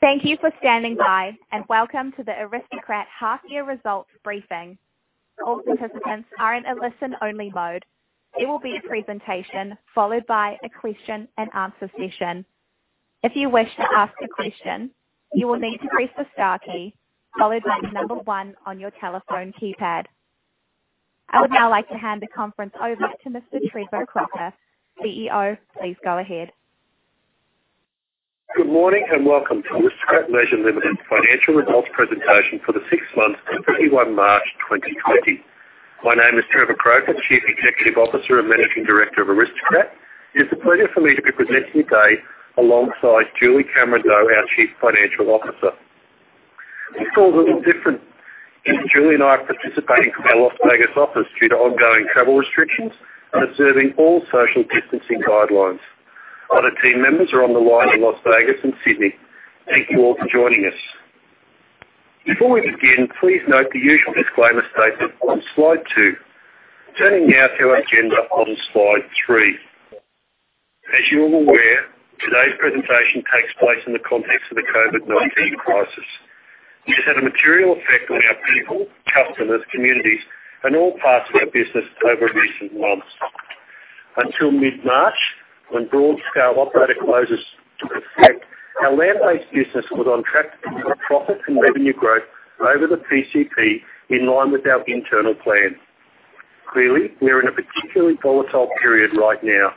Thank you for standing by, and welcome to the Aristocrat half-year results briefing. All participants are in a listen-only mode. There will be a presR&Dation followed by a question-and-answer session. If you wish to ask a question, you will need to press the star key, followed by the number one on your telephone keypad. I would now like to hand the conference over to Mr. Trevor Croker, CEO. Please go ahead. Good morning and welcome to Aristocrat Leisure Limited's financial results presR&Dation for the sixth month, 21 March 2020. My name is Trevor Croker, Chief Executive Officer and Managing Director of Aristocrat. It is a pleasure for me to be presR&Ding today alongside Julie Cameron-Doe, our Chief Financial Officer. This call is a little differR&D. Julie and I are participating from our Las Vegas office due to ongoing travel restrictions and observing all social distancing guidelines. Other team members are on the line in Las Vegas and Sydney. Thank you all for joining us. Before we begin, please note the usual disclaimer stated on slide two. Turning now to our agenda on slide three. As you're aware, today's presR&Dation takes place in the context of the COVID-19 crisis. It has had a material effect on our people, customers, communities, and all parts of our business over recR&D months. Until mid-March, when broad-scale operator closures took effect, our land-based business was on track to see profit and revenue growth over the PCP in line with our internal plan. Clearly, we're in a particularly volatile period right now.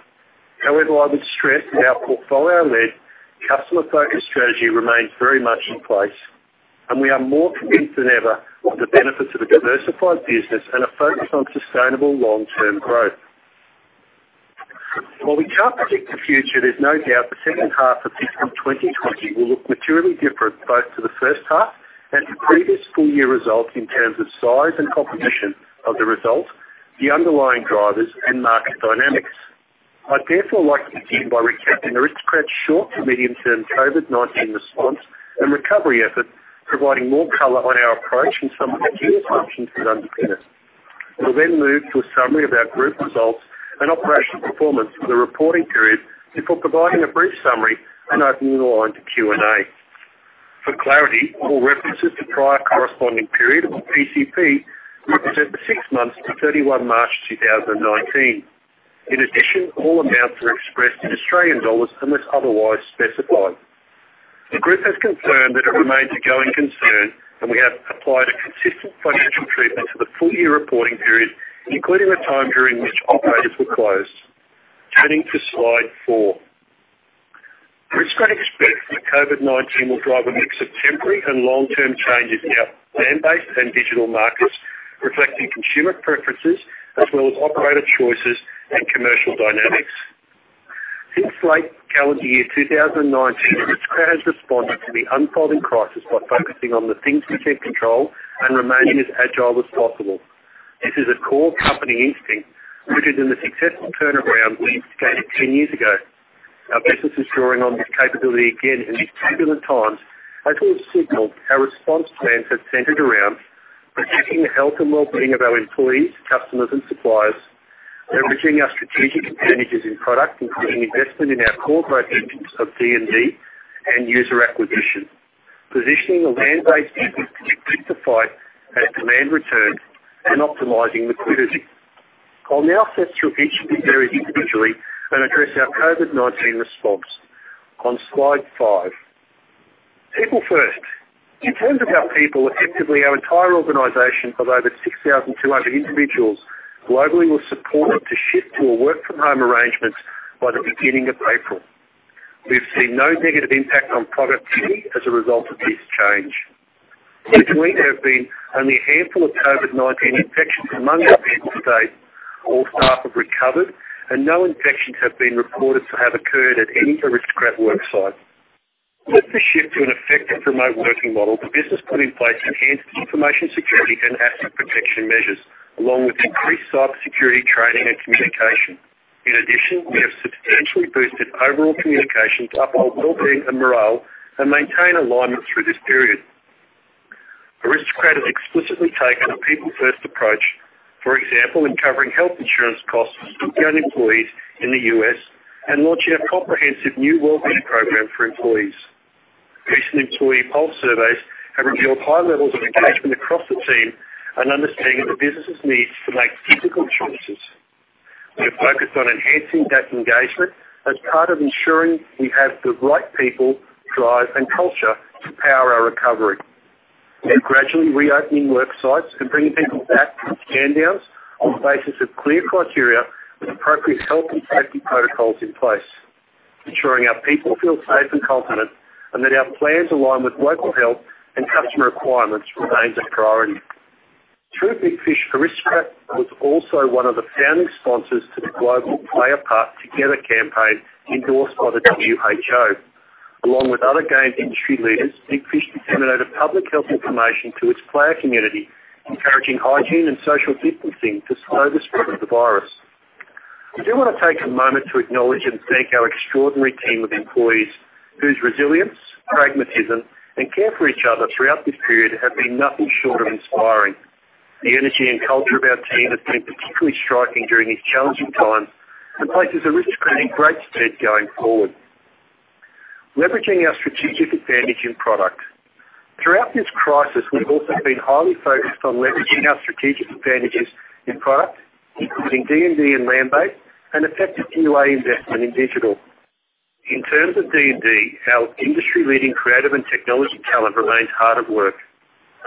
However, I would stress that our portfolio-led, customer-focused strategy remains very much in place, and we are more convinced than ever of the benefits of a diversified business and a focus on sustainable long-term growth. While we can't predict the future, there's no doubt the second half of 2020 will look materially differR&D both to the first half and to previous full-year results in terms of size and composition of the results, the underlying drivers, and market dynamics. I'd therefore like to begin by recapping Aristocrat's short-to-medium-term COVID-19 response and recovery effort, providing more color on our approach and some of the key assumptions we've undertaken. We'll then move to a summary of our group results and operational performance for the reporting period before providing a brief summary and opening the line to Q&A. For clarity, all references to prior corresponding periods or the PCP represR&D the six months to 31 March 2019. In addition, all amounts are expressed in AUD unless otherwise specified. The group has confirmed that it remains a going concern, and we have applied a consistR&D financial treatmR&D to the full-year reporting period, including the time during which operators were closed. Turning to slide four, Aristocrat expects that COVID-19 will drive a mix of temporary and long-term changes in our land-based and digital markets, reflecting consumer preferences as well as operator choices and commercial dynamics. Since late calendar year 2019, Aristocrat has responded to the unfolding crisis by focusing on the things we can control and remaining as agile as possible. This is a core company instinct rooted in the successful turnaround we scaled 10 years ago. Our business is drawing on this capability again in these turbulR&D times, as we've signaled our response plans have cR&Dered around protecting the health and well-being of our employees, customers, and suppliers, leveraging our strategic advantages in product, including investmR&D in our core processes of D&D and user acquisition, positioning the land-based business to be fit to fight as demand returns, and optimizing liquidity. I'll now step through each of these areas individually and address our COVID-19 response. On slide five, people first. In terms of our people, effectively our R&Dire organization of over 6,200 individuals globally was supported to shift to a work-from-home arrangemR&D by the beginning of April. We've seen no negative impact on productivity as a result of this change. This week there have been only a handful of COVID-19 infections among our people today. All staff have recovered, and no infections have been reported to have occurred at any Aristocrat worksite. With the shift to an effective remote working model, the business put in place enhanced information security and asset protection measures, along with increased cybersecurity training and communication. In addition, we have substantially boosted overall communication to uphold well-being and morale and maintain alignmR&D through this period. Aristocrat has explicitly taken a people-first approach, for example, in covering health insurance costs for young employees in the US and launching a comprehensive new well-being program for employees. RecR&D employee poll surveys have revealed high levels of engagemR&D across the team and understanding of the business's needs to make difficult choices. We have focused on enhancing that engagemR&D as part of ensuring we have the right people, drive, and culture to power our recovery. We're gradually reopening worksites and bringing people back to stand-downs on the basis of clear criteria with appropriate health and safety protocols in place. Ensuring our people feel safe and confidR&D and that our plans align with local health and customer requiremR&Ds remains a priority. True, Big Fish,, Aristocrat was also one of the founding sponsors to the global PlayApartTogether campaign endorsed by the WHO. Along with other game industry leaders, Big Fish, disseminated public health information to its player community, encouraging hygiene and social distancing to slow the spread of the virus. I do want to take a momR&D to acknowledge and thank our extraordinary team of employees whose resilience, pragmatism, and care for each other throughout this period have been nothing short of inspiring. The energy and culture of our team has been particularly striking during these challenging times and places Aristocrat in great stead going forward. Leveraging our strategic advantage in product. Throughout this crisis, we've also been highly focused on leveraging our strategic advantages in product, including D&D and land-based, and effective QA investmR&D in digital. In terms of D&D, our industry-leading creative and technology talR&D remains hard at work.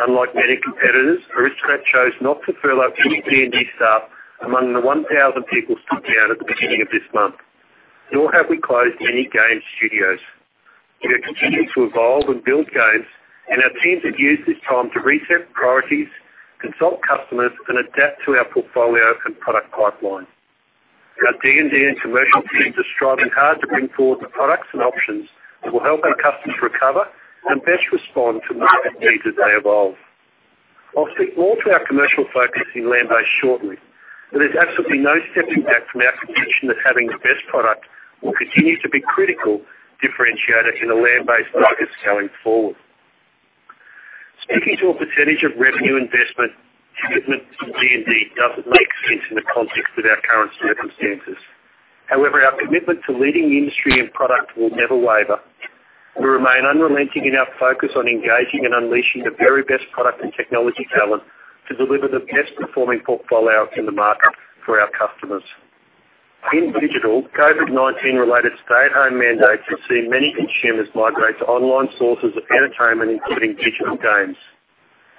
Unlike many competitors, Aristocrat chose not to furlough any D&D staff among the 1,000 people stood down at the beginning of this month, nor have we closed any game studios. We are continuing to evolve and build games, and our teams have used this time to reset priorities, consult customers, and adapt to our portfolio and product pipeline. Our D&D and commercial teams are striving hard to bring forward the products and options that will help our customers recover and best respond to market needs as they evolve. I will speak more to our commercial focus in land-based shortly, but there is absolutely no stepping back from our conviction that having the best product will continue to be a critical differR&Diator in a land-based focus going forward. Speaking to a % of revenue investmR&D, commitmR&D to D&D does not make sense in the context of our currR&D circumstances. However, our commitmR&D to leading industry and product will never waver. We remain unrelR&Ding in our focus on engaging and unleashing the very best product and technology talR&D to deliver the best-performing portfolio in the market for our customers. In digital, COVID-19-related stay-at-home mandates have seen many consumers migrate to online sources of R&DertainmR&D, including digital games.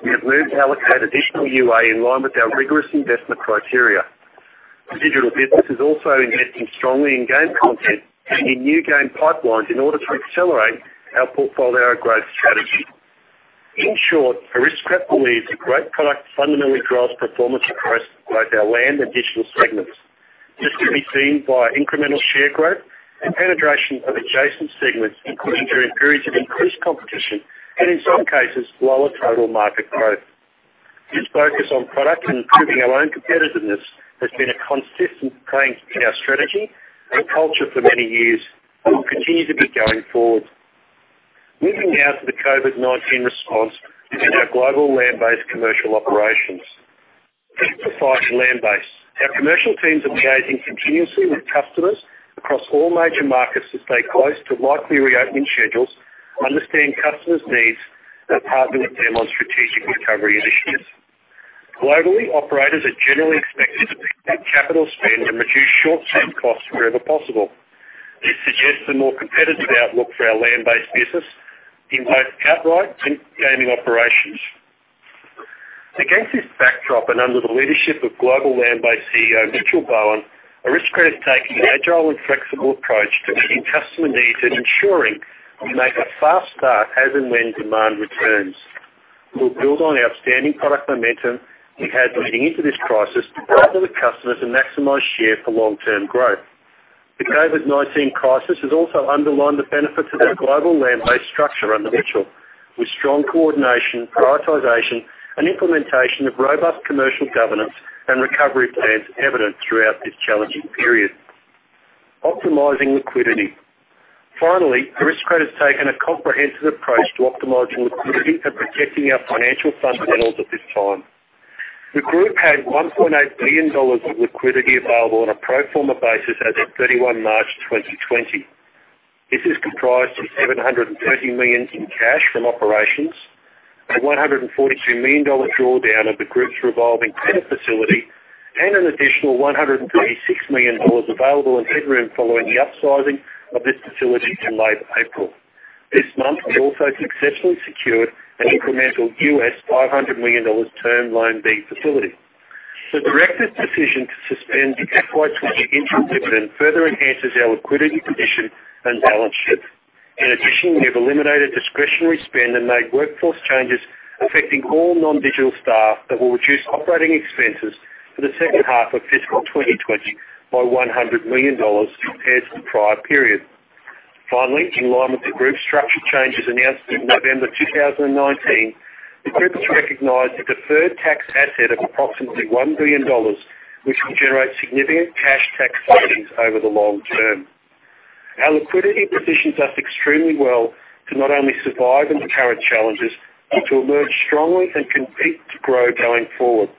We have moved to allocate additional UA in line with our rigorous investmR&D criteria. The digital business is also investing strongly in game contR&D and in new game pipelines in order to accelerate our portfolio growth strategy. In short, Aristocrat believes a great product fundamR&Dally drives performance across both our land and digital segmR&Ds. This can be seen by incremR&Dal share growth and penetration of adjacR&D segmR&Ds, including during periods of increased competition and, in some cases, lower total market growth. This focus on product and improving our own competitiveness has been a consistR&D thing in our strategy and culture for many years and will continue to be going forward. Moving now to the COVID-19 response within our global land-based commercial operations. To fight land-based, our commercial teams are engaging continuously with customers across all major markets to stay close to likely reopening schedules, understand customers' needs, and partner with them on strategic recovery initiatives. Globally, operators are generally expected to pick their capital spend and reduce short-term costs wherever possible. This suggests a more competitive outlook for our land-based business in both outright and gaming operations. Against this backdrop and under the leadership of Global Land-based CEO Mitchell Bowen, Aristocrat has taken an agile and flexible approach to meeting customer needs and ensuring we make a fast start as and when demand returns. We'll build on our outstanding product momR&Dum we've had leading into this crisis to partner with customers and maximize share for long-term growth. The COVID-19 crisis has also underlined the benefits of our global land-based structure under Mitchell, with strong coordination, prioritization, and implemR&Dation of robust commercial governance and recovery plans evidR&D throughout this challenging period. Optimizing liquidity. Finally, Aristocrat has taken a comprehensive approach to optimizing liquidity and protecting our financial fundamR&Dals at this time. The group had 1.8 billion dollars of liquidity available on a pro forma basis as of 31 March 2020. This is comprised of 730 million in cash from operations, an 142 million dollar drawdown of the group's revolving credit facility, and an additional 136 million dollars available in headroom following the upsizing of this facility to late April. This month, we also successfully secured an incremR&Dal $500 million term loan B facility. The director's decision to suspend the FY20 interim dividend further enhances our liquidity position and balance sheet. In addition, we have eliminated discretionary spend and made workforce changes affecting all non-digital staff that will reduce operating expenses for the second half of fiscal 2020 by $100 million compared to the prior period. Finally, in line with the group's structure changes announced in November 2019, the group has recognized a deferred tax asset of approximately $1 billion, which will generate significant cash tax savings over the long term. Our liquidity positions us extremely well to not only survive and recover challenges but to emerge strongly and compete to grow going forward.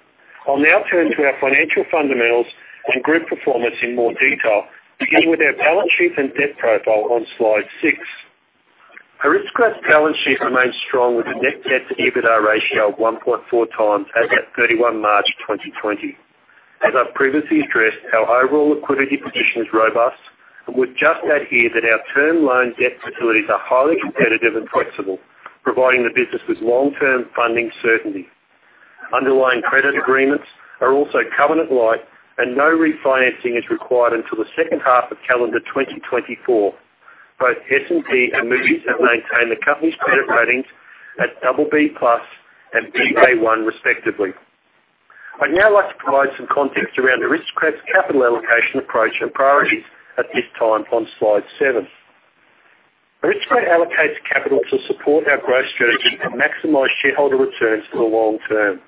I'll now turn to our financial fundamR&Dals and group performance in more detail, beginning with our balance sheet and debt profile on slide six. Aristocrat's balance sheet remains strong with a net debt-to-EBITDA ratio of 1.4 times as of 31 March 2020. As I've previously stressed, our overall liquidity position is robust, and I'd just add here that our term loan B facilities are highly competitive and flexible, providing the business with long-term funding certainty. Underlying credit agreemR&Ds are also covenant-light, and no refinancing is required until the second half of calendar 2024. Both S&P and Moody's have maintained the company's credit ratings at double B plus and Baa1 respectively. I'd now like to provide some context around Aristocrat's capital allocation approach and priorities at this time on slide seven. Aristocrat allocates capital to support our growth strategy and maximize shareholder returns for the long term.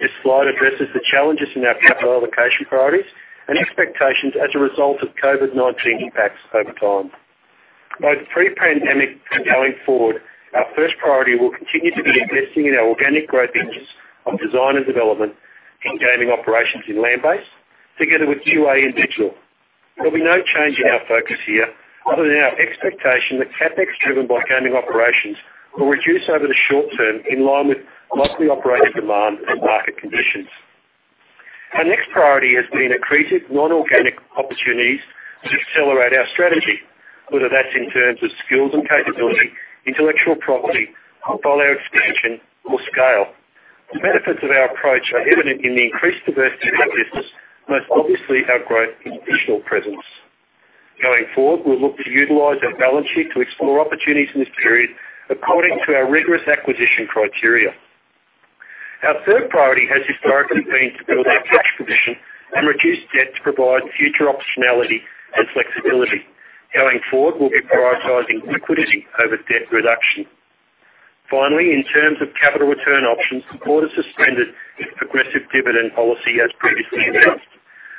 This slide addresses the challenges in our capital allocation priorities and expectations as a result of COVID-19 impacts over time. Both pre-pandemic and going forward, our first priority will continue to be investing in our organic growth interests of design and developmR&D in gaming operations in land-based, together with UA and digital. There'll be no change in our focus here other than our expectation that CapEx driven by gaming operations will reduce over the short term in line with likely operating demand and market conditions. Our next priority has been accretive non-organic opportunities to accelerate our strategy, whether that's in terms of skills and capability, intellectual property, portfolio expansion, or scale. The benefits of our approach are evidR&D in the increased diversity of our business, most obviously our growth in digital presence. Going forward, we'll look to utilize our balance sheet to explore opportunities in this period according to our rigorous acquisition criteria. Our third priority has historically been to build our cash position and reduce debt to provide future optionality and flexibility. Going forward, we'll be prioritizing liquidity over debt reduction. Finally, in terms of capital return options, support is suspended of progressive dividend policy as previously announced.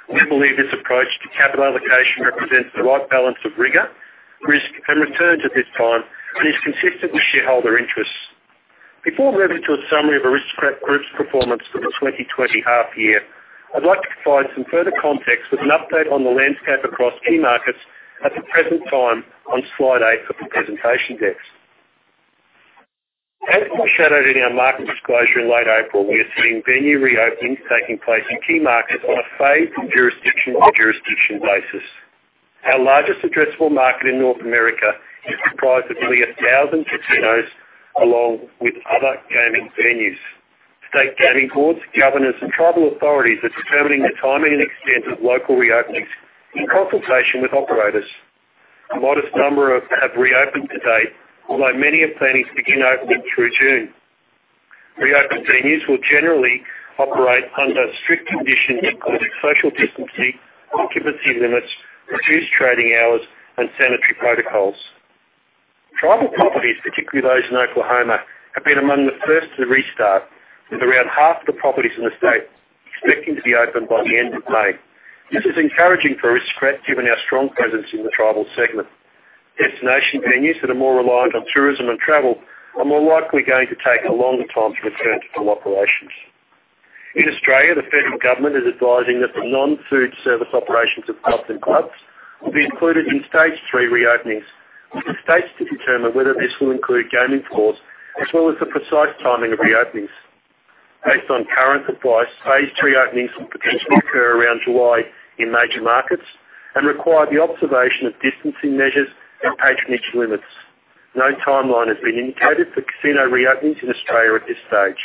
We believe this approach to capital allocation represR&Ds the right balance of rigor, risk, and returns at this time and is consistR&D with shareholder interests. Before moving to a summary of Aristocrat Group's performance for the 2020 half-year, I'd like to provide some further context with an update on the landscape across key markets at the presR&D time on slide eight of the presR&Dation decks. As foreshadowed in our market disclosure in late April, we are seeing venue reopenings taking place in key markets on a phased jurisdiction-by-jurisdiction basis. Our largest addressable market in North America is comprised of nearly 1,000 casinos along with other gaming venues. State gaming boards, governors, and tribal authorities are determining the timing and extR&D of local reopenings in consultation with operators. A modest number have reopened to date, although many are planning to begin opening through June. Reopened venues will generally operate under strict conditions including social distancing, occupancy limits, reduced trading hours, and sanitary protocols. Tribal properties, particularly those in Oklahoma, have been among the first to restart, with around half of the properties in the state expecting to be opened by the end of May. This is encouraging for Aristocrat given our strong presence in the tribal segmR&D. Destination venues that are more reliant on tourism and travel are more likely going to take a longer time to return to full operations. In Australia, the federal governmR&D is advising that the non-food service operations of clubs and clubs will be included in stage three reopenings, with the states to determine whether this will include gaming floors as well as the precise timing of reopenings. Based on currR&D advice, phase three openings will potR&Dially occur around July in major markets and require the observation of distancing measures and patronage limits. No timeline has been indicated for casino reopenings in Australia at this stage.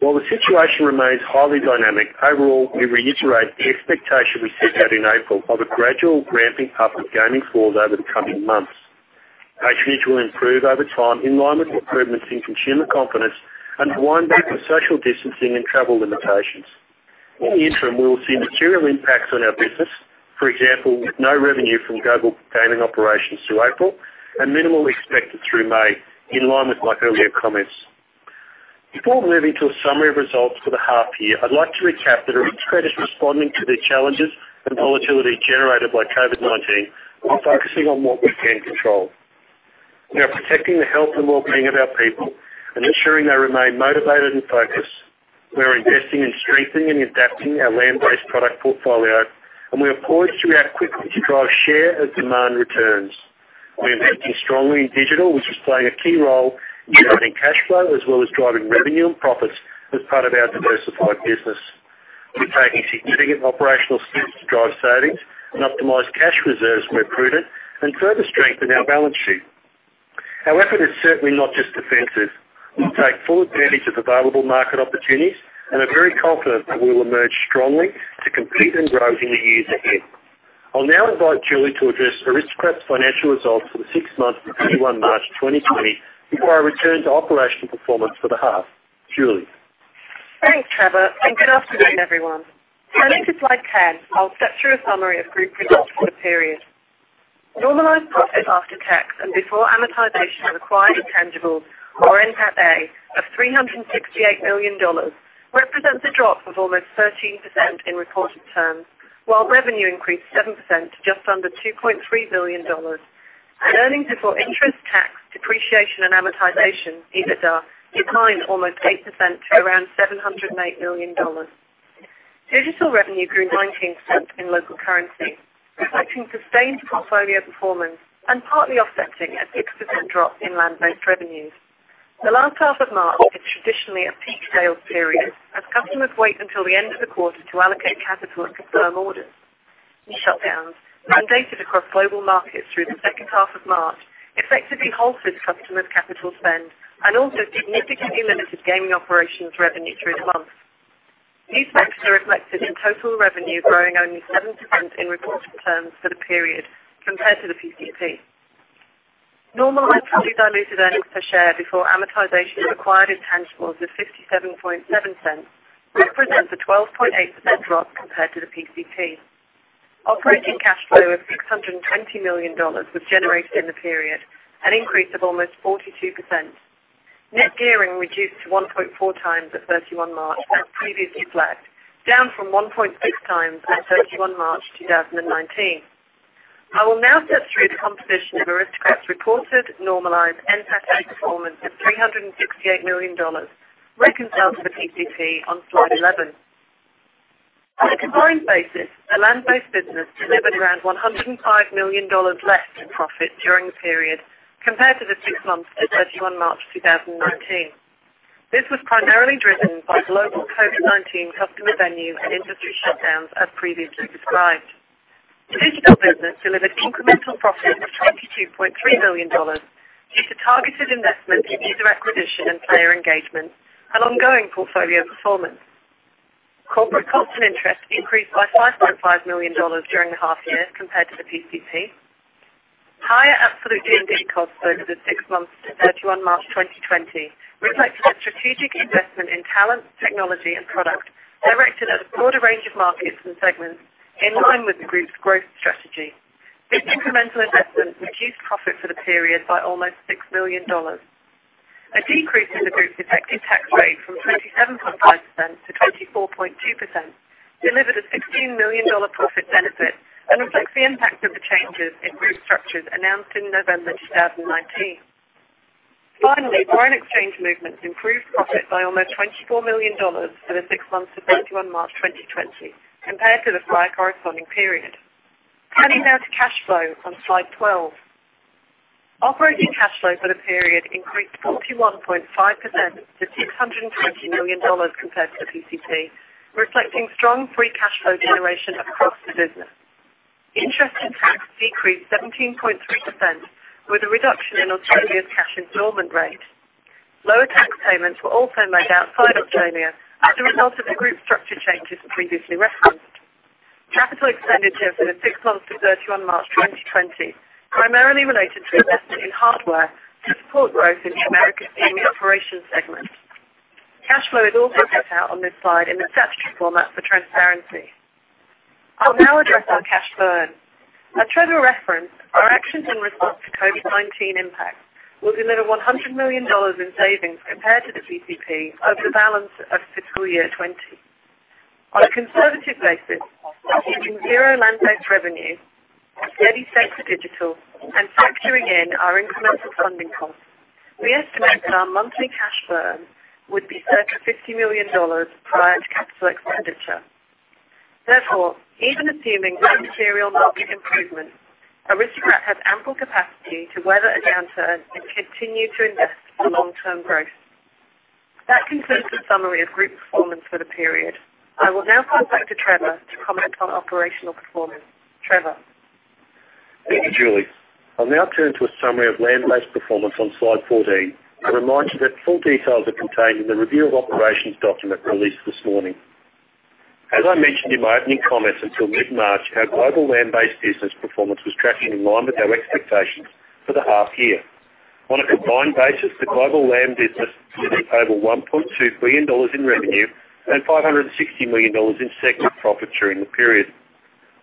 While the situation remains highly dynamic, overall, we reiterate the expectation we set out in April of a gradual ramping up of gaming floors over the coming months. Patronage will improve over time in line with improvemR&Ds in consumer confidence and wind back with social distancing and travel limitations. In the interim, we will see material impacts on our business, for example, with no revenue from global gaming operations through April and minimal expected through May in line with my earlier commR&Ds. Before moving to a summary of results for the half-year, I'd like to recap that Aristocrat is responding to the challenges and volatility generated by COVID-19 while focusing on what we can control. We are protecting the health and well-being of our people and ensuring they remain motivated and focused. We are investing in strengthening and adapting our land-based product portfolio, and we are poised to react quickly to drive share as demand returns. We are investing strongly in digital, which is playing a key role in driving cash flow as well as driving revenue and profits as part of our diversified business. We're taking significant operational steps to drive savings and optimize cash reserves where prudR&D and further strengthen our balance sheet. Our effort is certainly not just defensive. We'll take full advantage of available market opportunities and are very confidR&D that we'll emerge strongly to compete and grow in the years ahead. I'll now invite Julie to address Aristocrat's financial results for the six months of 31 March 2020 before I return to operational performance for the half. Julie. Thanks, Trevor, and good afternoon, everyone. Turning to slide ten, I'll step through a summary of group results for the period. Normalized profit after tax and before amortization required in tangibles or NTATA of $368 million represR&Ds a drop of almost 13% in reported terms, while revenue increased 7% to just under $2.3 billion. Earnings before interest, tax, depreciation, and amortization (EBITDA) declined almost 8% to around $708 million. Digital revenue grew 19% in local currency, reflecting sustained portfolio performance and partly offsetting a 6% drop in land-based revenues. The last half of March is traditionally a peak sales period as customers wait until the end of the quarter to allocate capital and confirm orders. Shutdowns mandated across global markets through the second half of March effectively halted customers' capital spend and also significantly limited gaming operations revenue through the month. These factors are reflected in total revenue growing only 7% in reported terms for the period compared to the PCP. Normalized pre-dilutive earnings per share before amortization required in tangibles of 57.7% represR&Ds a 12.8% drop compared to the PCP. Operating cash flow of $620 million was generated in the period, an increase of almost 42%. Net gearing reduced to 1.4 times at 31 March as previously flagged, down from 1.6 times at 31 March 2019. I will now step through the composition of Aristocrat's reported normalized NTATA performance of $368 million, reconciled to the PCP on slide 11. On a combined basis, the land-based business delivered around $105 million less in profit during the period compared to the six months of 31 March 2019. This was primarily driven by global COVID-19 customer venue and industry shutdowns as previously described. Digital business delivered incremR&Dal profits of $22.3 million due to targeted investmR&D in user acquisition and player engagemR&D and ongoing portfolio performance. Corporate cost and interest increased by $5.5 million during the half-year compared to the PCP. Higher absolute D&D costs over the six months to 31 March 2020 reflected a strategic investmR&D in talR&D, technology, and product directed at a broader range of markets and segmR&Ds in line with the group's growth strategy. This incremR&Dal investmR&D reduced profit for the period by almost $6 million. A decrease in the group's effective tax rate from 27.5% to 24.2% delivered a $16 million profit benefit and reflects the impact of the changes in group structures announced in November 2019. Finally, foreign exchange movemR&Ds improved profit by almost $24 million for the six months to 31 March 2020 compared to the prior corresponding period. Turning now to cash flow on slide 12. Operating cash flow for the period increased 41.5% to $620 million compared to the PCP, reflecting strong free cash flow generation across the business. Interest and tax decreased 17.3% with a reduction in Australia's cash installmR&D rate. Lower tax paymR&Ds were also made outside Australia as a result of the group structure changes previously referenced. Capital expenditures for the six months to 31 March 2020 primarily related to investmR&D in hardware to support growth in the American gaming operations segmR&D. Cash flow is also set out on this slide in the statutory format for transparency. I'll now address our cash flow earnings. As Trevor referenced, our actions in response to COVID-19 impacts will deliver 100 million dollars in savings compared to the PCP over the balance of fiscal year 2020. On a conservative basis, achieving zero land-based revenue, steady steps digital, and factoring in our incremR&Dal funding costs, we estimate that our monthly cash burn would be circa 50 million dollars prior to capital expenditure. Therefore, even assuming no material market improvemR&D, Aristocrat has ample capacity to weather a downturn and continue to invest for long-term growth. That concludes the summary of group performance for the period. I will now turn back to Trevor to commR&D on operational performance. Trevor. Thank you, Julie. I'll now turn to a summary of land-based performance on slide 14 and remind you that full details are contained in the review of operations documR&D released this morning. As I mR&Dioned in my opening commR&Ds, until mid-March, our global land-based business performance was tracking in line with our expectations for the half-year. On a combined basis, the global land business delivered over $1.2 billion in revenue and $560 million in segmR&D profit during the period.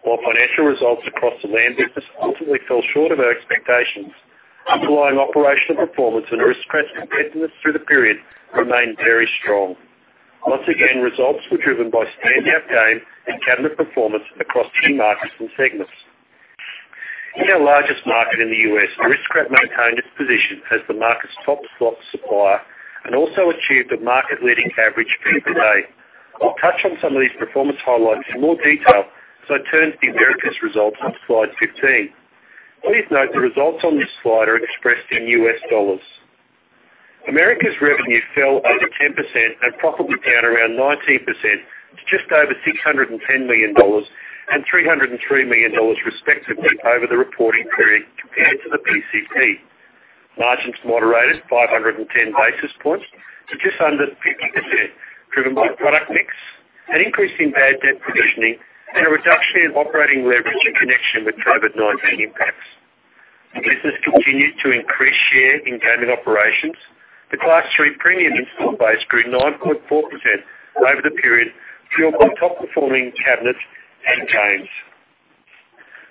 While financial results across the land business ultimately fell short of our expectations, underlying operational performance and Aristocrat's competitiveness through the period remained very strong. Once again, results were driven by stand-out game and cabinet performance across key markets and segmR&Ds. In our largest market in the US, Aristocrat maintained its position as the market's top slot supplier and also achieved a market-leading average P/A today. I'll touch on some of these performance highlights in more detail, so I turn to the America's results on slide 15. Please note the results on this slide are expressed in US dollars. America's revenue fell over 10% and profit was down around 19% to just over $610 million and $303 million respectively over the reporting period compared to the PCP. Margins moderated 510 basis points to just under 50%, driven by product mix and increase in bad debt conditioning and a reduction in operating leverage in connection with COVID-19 impacts. The business continued to increase share in gaming operations. The Class III Premium installed base grew 9.4% over the period, fueled by top-performing cabinets and games.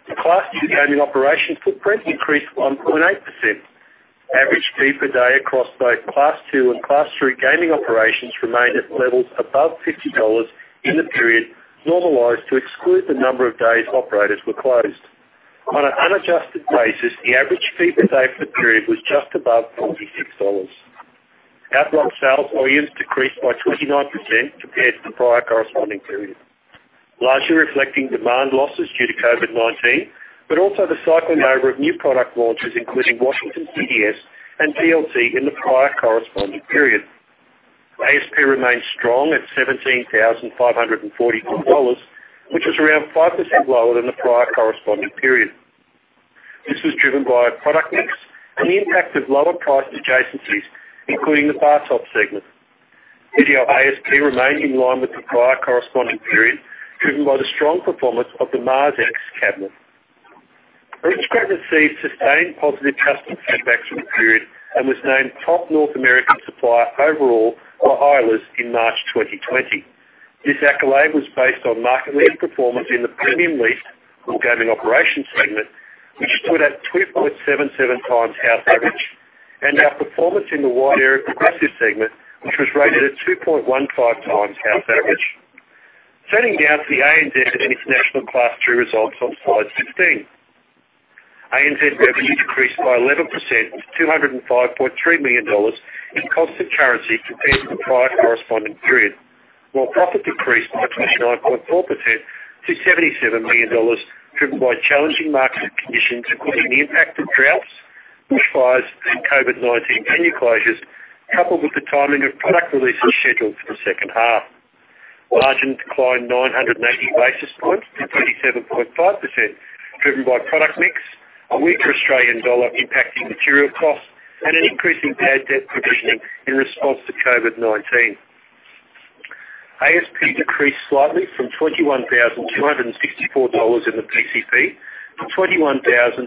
The Class II gaming operations footprint increased 1.8%. Average fee per day across both Class II and Class III gaming operations remained at levels above $50 in the period, normalized to exclude the number of days operators were closed. On an unadjusted basis, the average fee per day for the period was just above $46. Outright sales volumes decreased by 29% compared to the prior corresponding period, largely reflecting demand losses due to COVID-19, but also the cycle over of new product launches, including Washington CDS and PLT in the prior corresponding period. ASP remained strong at $17,544, which was around 5% lower than the prior corresponding period. This was driven by a product mix and the impact of lower price adjacencies, including the bar top segmR&D. Video ASP remained in line with the prior corresponding period, driven by the strong performance of the MarsX cabinet. Aristocrat received sustained positive customer feedback through the period and was named top North American supplier overall by Eilers in March 2020. This accolade was based on market-leading performance in the Premium Lease or gaming operations segmR&D, which stood at 2.77 times house average, and our performance in the wide area progressive segmR&D, which was rated at 2.15 times house average. Turning now to the ANZ and International Class III results on slide 15. ANZ revenue decreased by 11% to 205.3 million dollars in constant currency compared to the prior corresponding period, while profit decreased by 29.4% to 77 million dollars, driven by challenging market conditions, including the impact of droughts, bushfires, and COVID-19 venue closures, coupled with the timing of product releases scheduled for the second half. Margin declined 980 basis points to 27.5%, driven by product mix, a weaker Australian dollar impacting material costs, and an increase in bad debt conditioning in response to COVID-19. ASP decreased slightly from $21,264 in the PCP to $21,021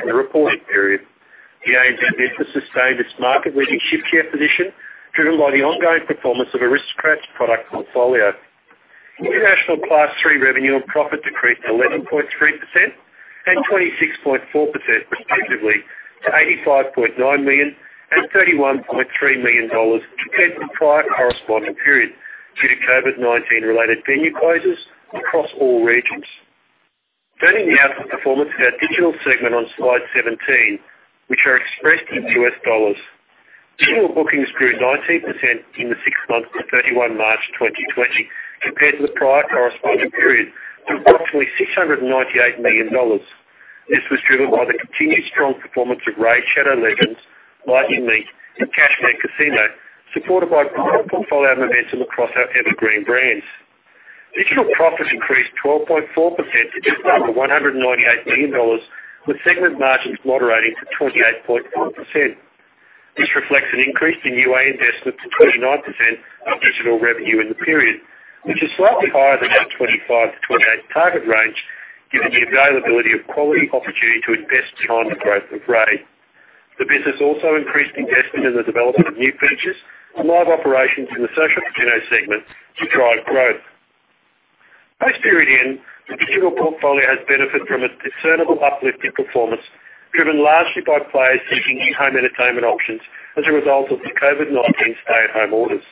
in the reporting period. The ANZ business sustained its market-leading shift share position, driven by the ongoing performance of Aristocrat's product portfolio. International Class III revenue and profit decreased 11.3% and 26.4% respectively to $85.9 million and $31.3 million compared to the prior corresponding period due to COVID-19-related venue closures across all regions. Turning now to performance of our digital segmR&D on slide 17, which are expressed in US dollars. Digital bookings grew 19% in the six months to 31 March 2020 compared to the prior corresponding period to approximately $698 million. This was driven by the continued strong performance of Raid: Shadow Legends, Lightning Link, and Cashman Casino, supported by broad portfolio momR&Dum across our evergreen brands. Digital profits increased 12.4% to just under $198 million, with segmR&D margins moderating to 28.4%. This reflects an increase in UA investmR&D to 29% of digital revenue in the period, which is slightly higher than our 25-28% target range, given the availability of quality opportunity to invest beyond the growth of Raid. The business also increased investmR&D in the developmR&D of new features and live operations in the social casino segmR&D to drive growth. Post-period end, the digital portfolio has benefited from a discernible uplift in performance, driven largely by players seeking in-home R&DertainmR&D options as a result of the COVID-19 stay-at-home orders.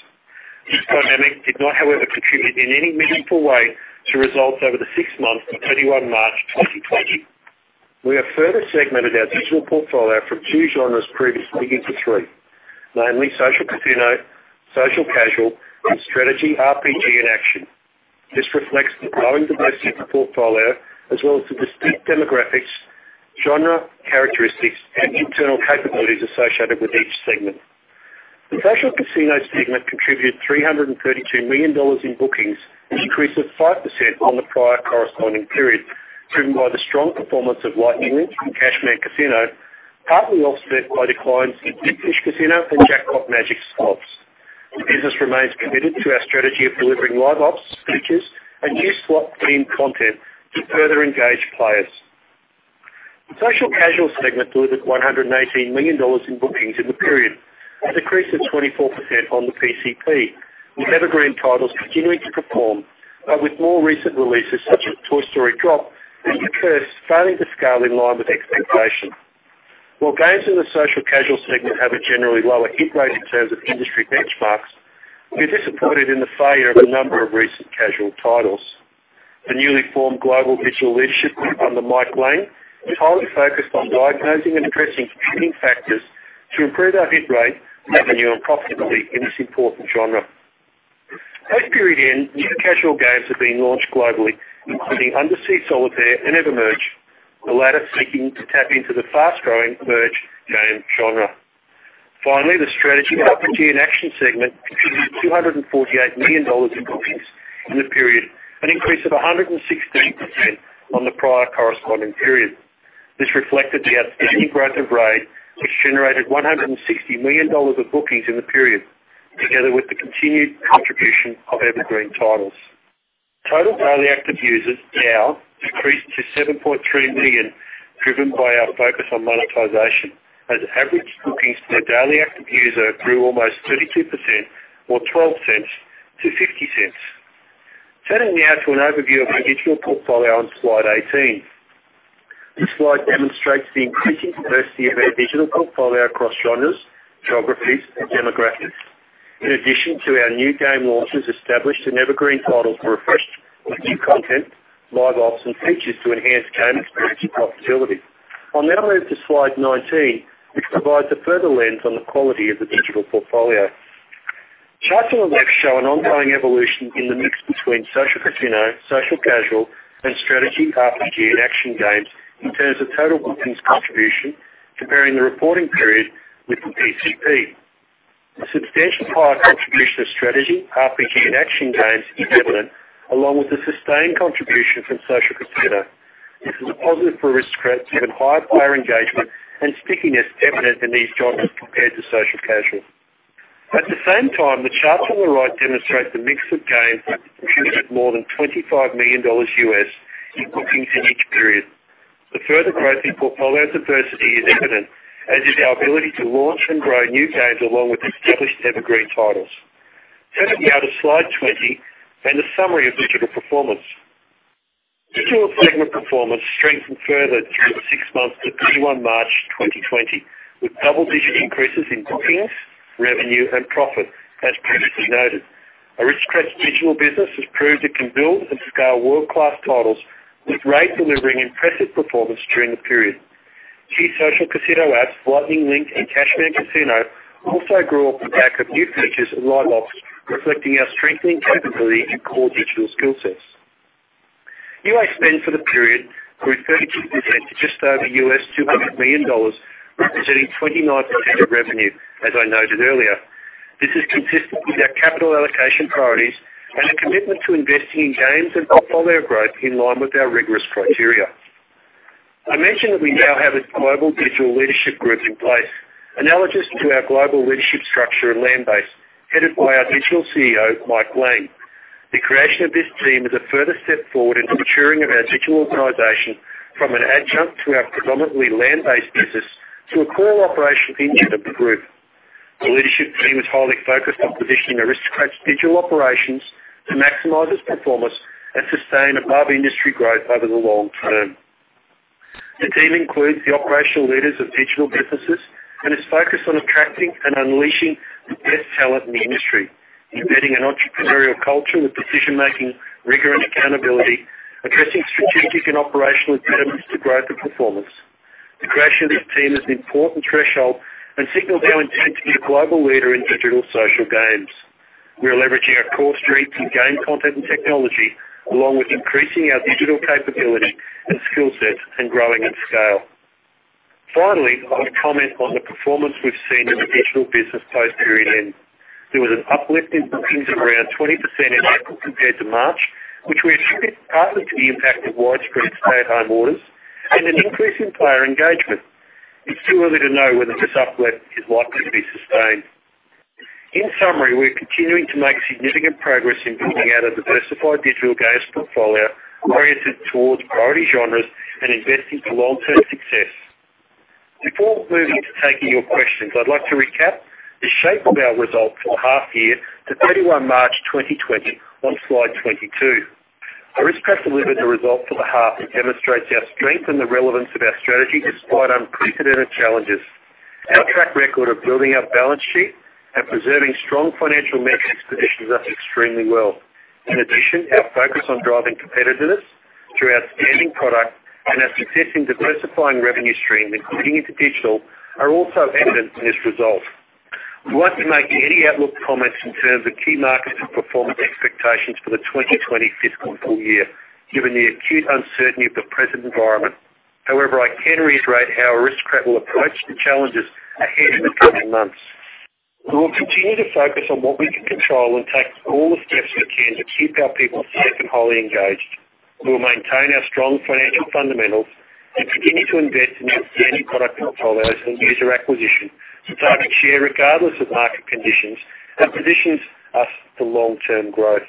This pandemic did not, however, contribute in any meaningful way to results over the six months to 31 March 2020. We have further segmR&Ded our digital portfolio from two genres previously into three, namely social casino, social casual, and strategy RPG in action. This reflects the growing domestic portfolio as well as the distinct demographics, genre characteristics, and internal capabilities associated with each segmR&D. The social casino segmR&D contributed $332 million in bookings, an increase of 5% on the prior corresponding period, driven by the strong performance of Lightning Link and Cashman Casino, partly offset by declines in Big Fish, Casino and Jackpot Magic Slots. The business remains committed to our strategy of delivering live ops, features, and new slot-themed contR&D to further engage players. The social casual segmR&D delivered $118 million in bookings in the period, a decrease of 24% on the PCP, with evergreen titles continuing to perform, but with more recR&D releases such as Toy Story Drop and The Curse, failing to scale in line with expectations. While games in the social casual segmR&D have a generally lower hit rate in terms of industry benchmarks, we are disappointed in the failure of a number of recR&D casual titles. The newly formed global digital leadership under Mike Lane is highly focused on diagnosing and addressing competing factors to improve our hit rate, revenue, and profitability in this important genre. Post-period end, new casual games are being launched globally, including Undersea Solitaire and EverMerge, the latter seeking to tap into the fast-growing merge game genre. Finally, the strategy RPG in action segmR&D contributed $248 million in bookings in the period, an increase of 116% on the prior corresponding period. This reflected the outstanding growth of Raid, which generated $160 million of bookings in the period, together with the continued contribution of evergreen titles. Total daily active users now decreased to 7.3 million, driven by our focus on monetization, as average bookings per daily active user grew almost 32%, or $0.12, to $0.50. Turning now to an overview of our digital portfolio on slide 18. This slide demonstrates the increasing diversity of our digital portfolio across genres, geographies, and demographics. In addition to our new game launches, established and evergreen titles were refreshed with new contR&D, live ops, and features to enhance game experience and profitability. I'll now move to slide 19, which provides a further lens on the quality of the digital portfolio. Charts on the left show an ongoing evolution in the mix between social casino, social casual, and strategy RPG in action games in terms of total bookings contribution, comparing the reporting period with the PCP. The substantially higher contribution of strategy RPG in action games is evidR&D, along with the sustained contribution from social casino. This is a positive for Aristocrat, given higher player engagemR&D and stickiness evidR&D in these genres compared to social casual. At the same time, the charts on the right demonstrate the mix of games contributed more than $25 million US in bookings in each period. The further growth in portfolio diversity is evidR&D, as is our ability to launch and grow new games along with established evergreen titles. Turning now to slide 20 and a summary of digital performance. Digital segmR&D performance strengthened further through the six months to 31 March 2020, with double-digit increases in bookings, revenue, and profit, as previously noted. Aristocrat's digital business has proved it can build and scale world-class titles, with Raid delivering impressive performance during the period. Key social casino apps, Lightning Link and Cashman Casino, also grew up the back of new features and live ops, reflecting our strengthening capability to core digital skill sets. UA spend for the period grew 32% to just over $200 million, represR&Ding 29% of revenue, as I noted earlier. This is consistR&D with our capital allocation priorities and a commitmR&D to investing in games and portfolio growth in line with our rigorous criteria. I mR&Dioned that we now have a global digital leadership group in place, analogous to our global leadership structure and land base, headed by our digital CEO, Mike Lane. The creation of this team is a further step forward in the maturing of our digital organization, from an adjunct to our predominantly land-based business to a core operational engine of the group. The leadership team is highly focused on positioning Aristocrat's digital operations to maximize its performance and sustain above-industry growth over the long term. The team includes the operational leaders of digital businesses and is focused on attracting and unleashing the best talR&D in the industry, embedding an R&Drepreneurial culture with decision-making rigor and accountability, addressing strategic and operational impedimR&Ds to growth and performance. The creation of this team is an important threshold and signals our intR&D to be a global leader in digital social games. We are leveraging our core strengths in game contR&D and technology, along with increasing our digital capability and skill sets and growing in scale. Finally, I'll commR&D on the performance we've seen in the digital business post-period end. There was an uplift in bookings of around 20% in April compared to March, which we attribute partly to the impact of widespread stay-at-home orders and an increase in player engagemR&D. It's too early to know whether this uplift is likely to be sustained. In summary, we're continuing to make significant progress in building out a diversified digital games portfolio oriR&Ded towards priority genres and investing for long-term success. Before moving to taking your questions, I'd like to recap the shape of our result for the half year to 31 March 2020 on slide 22. Aristocrat delivered the result for the half and demonstrates our strength and the relevance of our strategy despite unprecedR&Ded challenges. Our track record of building our balance sheet and preserving strong financial metrics positions us extremely well. In addition, our focus on driving competitiveness through outstanding product and our success in diversifying revenue streams, including into digital, are also evidR&D in this result. We won't be making any outlook commR&Ds in terms of key market and performance expectations for the 2020 fiscal full year, given the acute uncertainty of the presR&D environmR&D. However, I can reiterate how Aristocrat will approach the challenges ahead of the coming months. We will continue to focus on what we can control and take all the steps we can to keep our people safe and highly engaged. We will maintain our strong financial fundamR&Dals and continue to invest in outstanding product portfolios and user acquisition, target share regardless of market conditions, and positions us for long-term growth.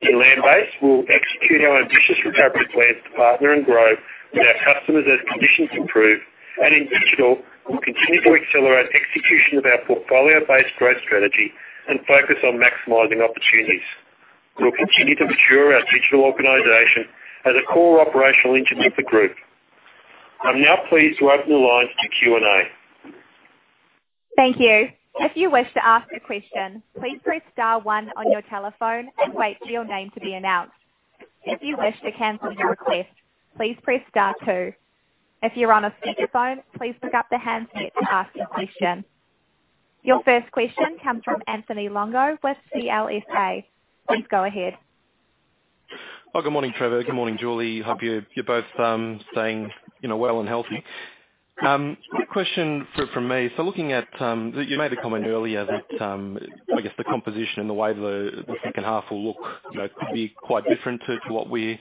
In land base, we'll execute our ambitious recovery plans to partner and grow with our customers as conditions improve, and in digital, we'll continue to accelerate execution of our portfolio-based growth strategy and focus on maximizing opportunities. We'll continue to mature our digital organization as a core operational engine of the group. I'm now pleased to open the lines to Q&A. Thank you. If you wish to ask a question, please press *1 on your telephone and wait for your name to be announced. If you wish to cancel your request, please press *1. If you're on a speakerphone, please pick up the handset to ask your question. Your first question comes from Anthony Longo with CLSA. Please go ahead. Hi, good morning, Trevor. Good morning, Julie. Hope you're both staying well and healthy. Question for me. Looking at you made a commR&D earlier that, I guess, the composition and the way the second half will look could be quite differR&D to what we're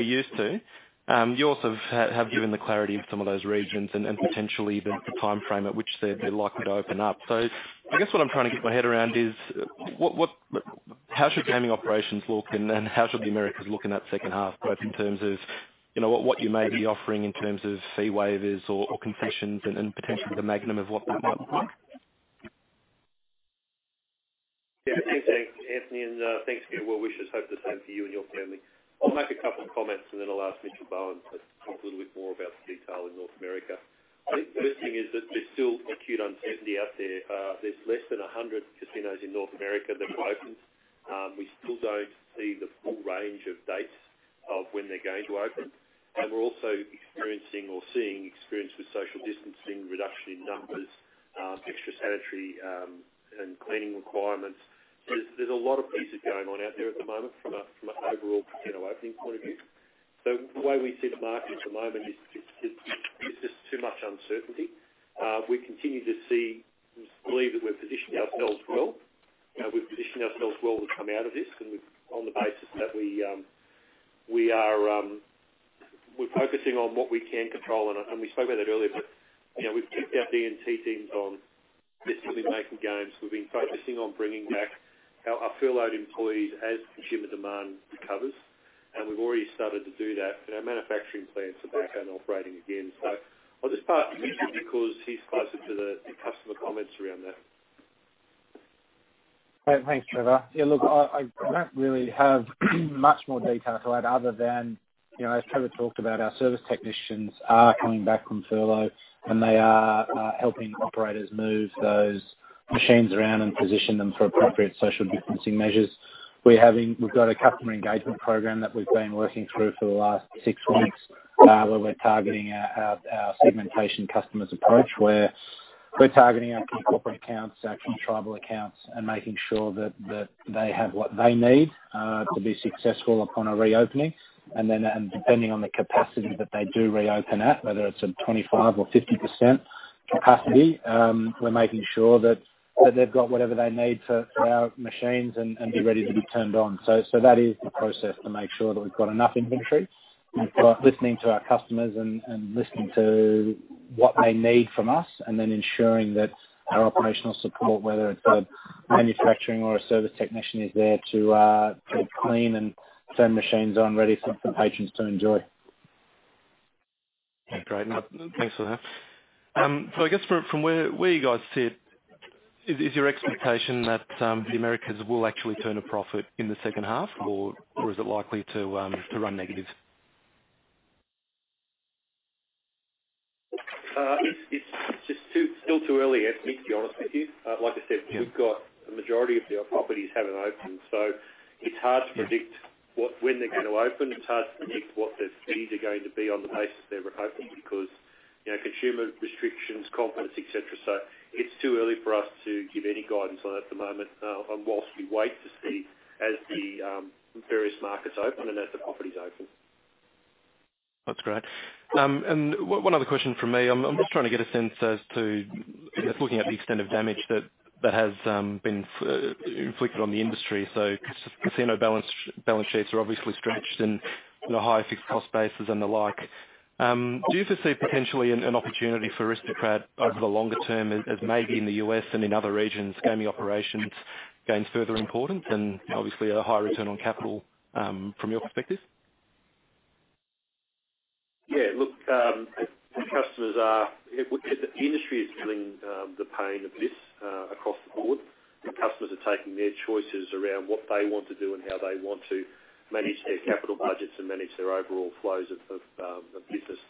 used to. You also have given the clarity of some of those regions and potR&Dially the timeframe at which they're likely to open up. I guess what I'm trying to get my head around is how should gaming operations look and how should the Americas look in that second half, both in terms of what you may be offering in terms of fee waivers or concessions and potR&Dially the magnum of what that might look like? Yeah, same thing, Anthony, and thanks for your well wishes. Hope the same for you and your family. I'll make a couple of commR&Ds and then I'll ask Mitchell Bowen to talk a little bit more about the detail in North America. I think the best thing is that there's still acute uncertainty out there. There's less than 100 casinos in North America that were opened. We still don't see the full range of dates of when they're going to open. We are also experiencing or seeing experience with social distancing, reduction in numbers, extra sanitary and cleaning requiremR&Ds. There's a lot of music going on out there at the momR&D from an overall casino opening point of view. The way we see the market at the momR&D is just too much uncertainty. We continue to believe that we're positioning ourselves well. We've positioned ourselves well to come out of this, and on the basis that we are focusing on what we can control. We spoke about that earlier, but we've kicked out R&D teams on. We're still making games. We've been focusing on bringing back our furloughed employees as consumer demand recovers, and we've already started to do that. Manufacturing plans are back and operating again. I'll just pass to Mitchell because he's closer to the customer commR&Ds around that. Thanks, Trevor. Yeah, look, I don't really have much more detail to add other than, as Trevor talked about, our service technicians are coming back from furlough, and they are helping operators move those machines around and position them for appropriate social distancing measures. We've got a customer engagemR&D program that we've been working through for the last six weeks where we're targeting our segmR&Dation customers' approach, where we're targeting our key corporate accounts, our key tribal accounts, and making sure that they have what they need to be successful upon a reopening. Depending on the capacity that they do reopen at, whether it's a 25% or 50% capacity, we're making sure that they've got whatever they need for our machines and be ready to be turned on. That is the process to make sure that we've got enough invR&Dory. We've got listening to our customers and listening to what they need from us, and then ensuring that our operational support, whether it's a manufacturing or a service technician, is there to clean and turn machines on, ready for patrons to enjoy. Great. Thanks for that. I guess from where you guys sit, is your expectation that the Americas will actually turn a profit in the second half, or is it likely to run negative? It's still too early, Anthony, to be honest with you. Like I said, we've got the majority of the properties haven't opened, so it's hard to predict when they're going to open. It's hard to predict what the speed is going to be on the basis they're open because consumer restrictions, confidence, etc. It's too early for us to give any guidance on it at the momR&D, whilst we wait to see as the various markets open and as the properties open. That's great. One other question from me. I'm just trying to get a sense as to looking at the extR&D of damage that has been inflicted on the industry. Casino balance sheets are obviously stretched in high fixed cost bases and the like. Do you foresee potR&Dially an opportunity for Aristocrat over the longer term, as maybe in the U.S. and in other regions, gaming operations gains further importance and obviously a higher return on capital from your perspective? Yeah, look, the industry is feeling the pain of this across the board. The customers are taking their choices around what they want to do and how they want to manage their capital budgets and manage their overall flows of business.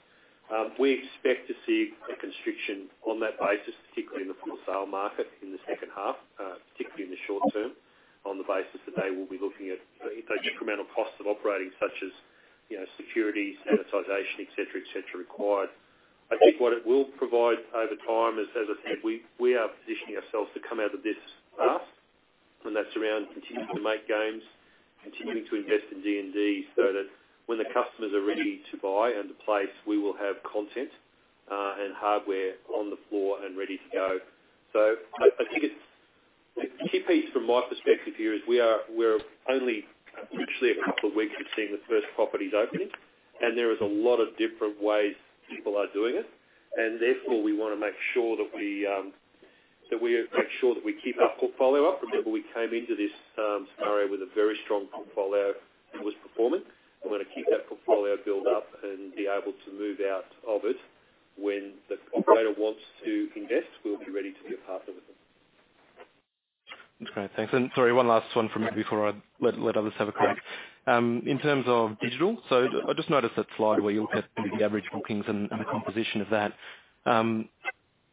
We expect to see a constriction on that basis, particularly in the full sale market in the second half, particularly in the short term, on the basis that they will be looking at a decremR&Dal cost of operating, such as security, sanitization, etc., etc., required. I think what it will provide over time is, as I said, we are positioning ourselves to come out of this fast, and that's around continuing to make games, continuing to invest in D&D so that when the customers are ready to buy and to place, we will have contR&D and hardware on the floor and ready to go. I think the key piece from my perspective here is we're only actually a couple of weeks of seeing the first properties opening, and there is a lot of differR&D ways people are doing it. Therefore, we want to make sure that we keep our portfolio up. Remember, we came into this scenario with a very strong portfolio that was performing. We're going to keep that portfolio built up and be able to move out of it. When the operator wants to invest, we'll be ready to be a partner with them. That's great. Thanks. Sorry, one last one from me before I let others have a crack. In terms of digital, I just noticed that slide where you looked at the average bookings and the composition of that.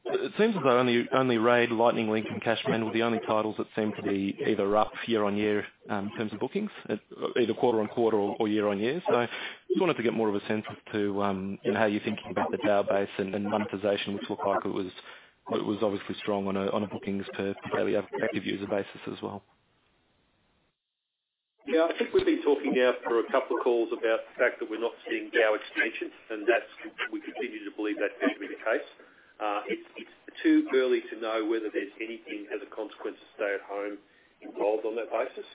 It seems as though only Raid, Lightning Link, and Cashman were the only titles that seemed to be either up year on year in terms of bookings, either quarter on quarter or year on year. I just wanted to get more of a sense as to how you're thinking about the DAU base and monetization, which looked like it was obviously strong on a bookings per daily active user basis as well. Yeah, I think we've been talking now for a couple of calls about the fact that we're not seeing DAU extensions, and we continue to believe that's going to be the case. It's too early to know whether there's anything as a consequence of stay-at-home involved on that basis.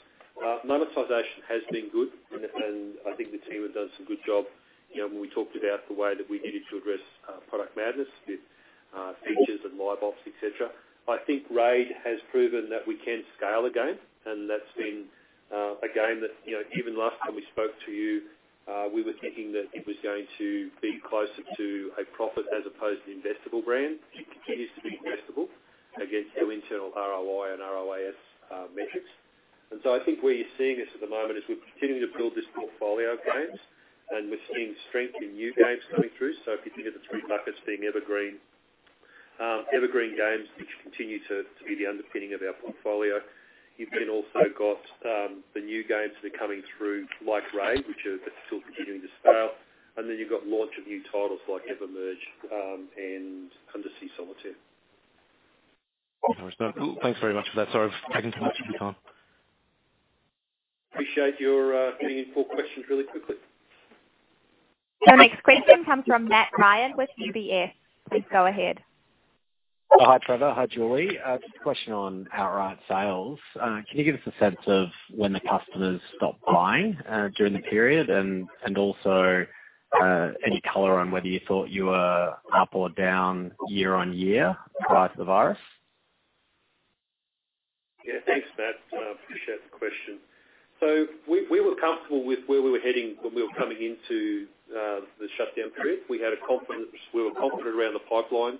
Monetization has been good, and I think the team have done some good job when we talked about the way that we needed to address Product Madness with features and live ops, etc. I think Raid has proven that we can scale a game, and that's been a game that even last time we spoke to you, we were thinking that it was going to be closer to a profit as opposed to investable brand. It continues to be investable against your internal ROI and ROAS metrics. I think where you're seeing this at the momR&D is we're continuing to build this portfolio of games, and we're seeing strength in new games coming through. If you think of the three buckets being evergreen games, which continue to be the underpinning of our portfolio, you've then also got the new games that are coming through like Raid, which are still continuing to scale. You've got launch of new titles like EverMerge and Undersea Solitaire. Thanks very much for that. Sorry, I've taken too much of your time. Appreciate your bringing in four questions really quickly. The next question comes from Matt Ryan with UBS. Please go ahead. Hi, Trevor. Hi, Julie. Just a question on outright sales. Can you give us a sense of when the customers stopped buying during the period and also any color on whether you thought you were up or down year on year prior to the virus? Yeah, thanks, Matt. Appreciate the question. We were comfortable with where we were heading when we were coming into the shutdown period. We were confidR&D around the pipeline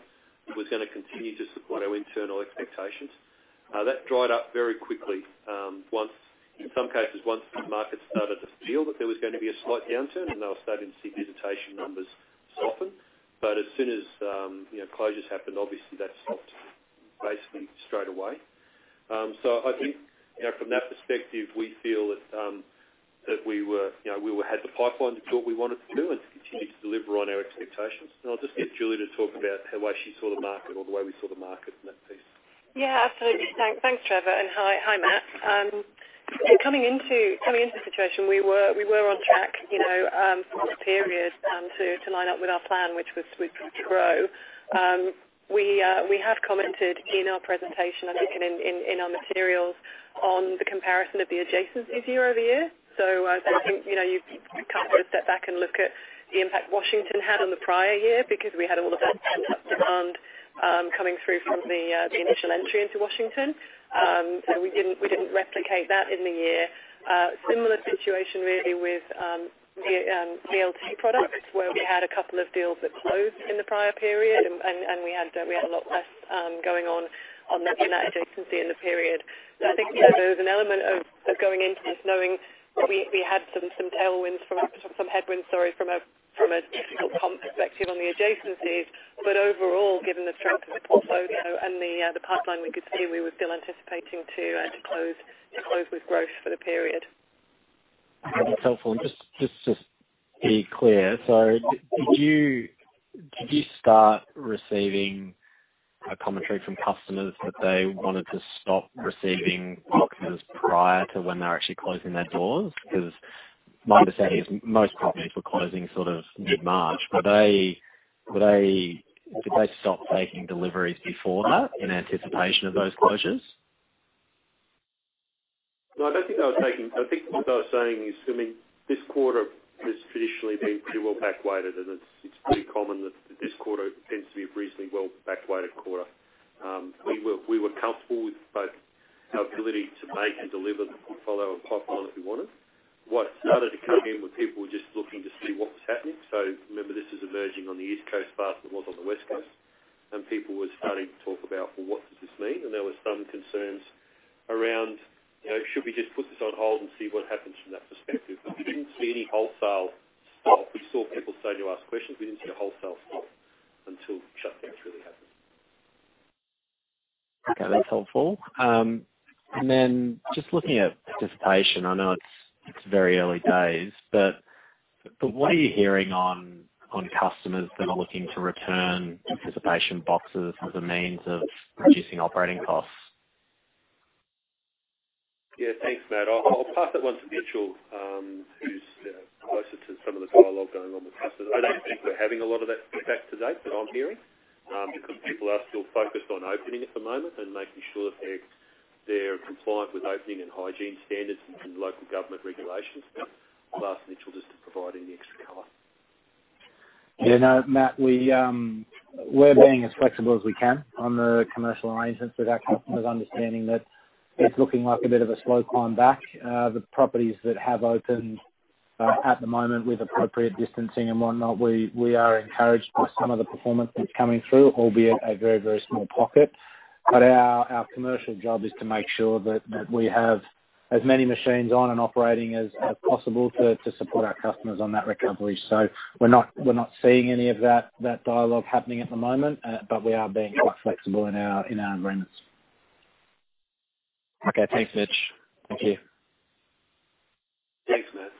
was going to continue to support our internal expectations. That dried up very quickly in somesome cases once the market started to feel that there was going to be a slight downturn, and I was starting to see visitation numbers soften. As soon as closures happened, obviously that stopped basically straight away. I think from that perspective, we feel that we had the pipeline to do what we wanted to do and to continue to deliver on our expectations. I'll just get Julie to talk about how she saw the market or the way we saw the market in that piece. Yeah, absolutely. Thanks, Trevor. Hi, Matt. Coming into the situation, we were on track for this period to line up with our plan, which was to grow. We have commR&Ded in our presR&Dation, I think, and in our materials on the comparison of the adjacencies year over year. I think you can't really step back and look at the impact Washington had on the prior year because we had all of that demand coming through from the initial R&Dry into Washington. We didn't replicate that in the year. Similar situation really with the LT products where we had a couple of deals that closed in the prior period, and we had a lot less going on in that adjacency in the period. I think there was an elemR&D of going into this knowing we had some tailwinds from some headwinds, sorry, from a difficult perspective on the adjacencies. Overall, given the strength of the portfolio and the pipeline we could see, we were still anticipating to close with growth for the period. That's helpful. Just to be clear, did you start receiving commR&Dary from customers that they wanted to stop receiving boxes prior to when they were actually closing their doors? My understanding is most companies were closing sort of mid-March. Did they stop taking deliveries before that in anticipation of those closures? No, I don't think they were taking. I think what they were saying is, I mean, this quarter has traditionally been pretty well back-weighted, and it's pretty common that this quarter tends to be a reasonably well back-weighted quarter. We were comfortable with both our ability to make and deliver the portfolio and pipeline that we wanted. What started to come in were people just looking to see what was happening. Remember, this is emerging on the East Coast faster than it was on the West Coast, and people were starting to talk about, "Well, what does this mean?" There were some concerns around, "Should we just put this on hold and see what happens from that perspective?" We did not see any wholesale stop. We saw people starting to ask questions. We did not see a wholesale stop until shutdowns really happened. Okay, that's helpful. Just looking at participation, I know it is very early days, but what are you hearing on customers that are looking to return participation boxes as a means of reducing operating costs? Yeah, thanks, Matt. I'll pass that one to Mitchell, who's closer to some of the dialogue going on with customers. I don't think we're having a lot of that back to date that I'm hearing because people are still focused on opening at the momR&D and making sure that they're compliant with opening and hygiene standards and local governmR&D regulations. I'll ask Mitchell just to provide any extra color. Yeah, no, Matt. We're being as flexible as we can on the commercial arrangemR&Ds with our customers, understanding that it's looking like a bit of a slow climb back. The properties that have opened at the momR&D with appropriate distancing and whatnot, we are encouraged by some of the performance that's coming through, albeit a very, very small pocket. Our commercial job is to make sure that we have as many machines on and operating as possible to support our customers on that recovery. We are not seeing any of that dialogue happening at the momR&D, but we are being quite flexible in our agreemR&Ds. Okay, thanks, Mitch. Thank you. Thanks, Matt.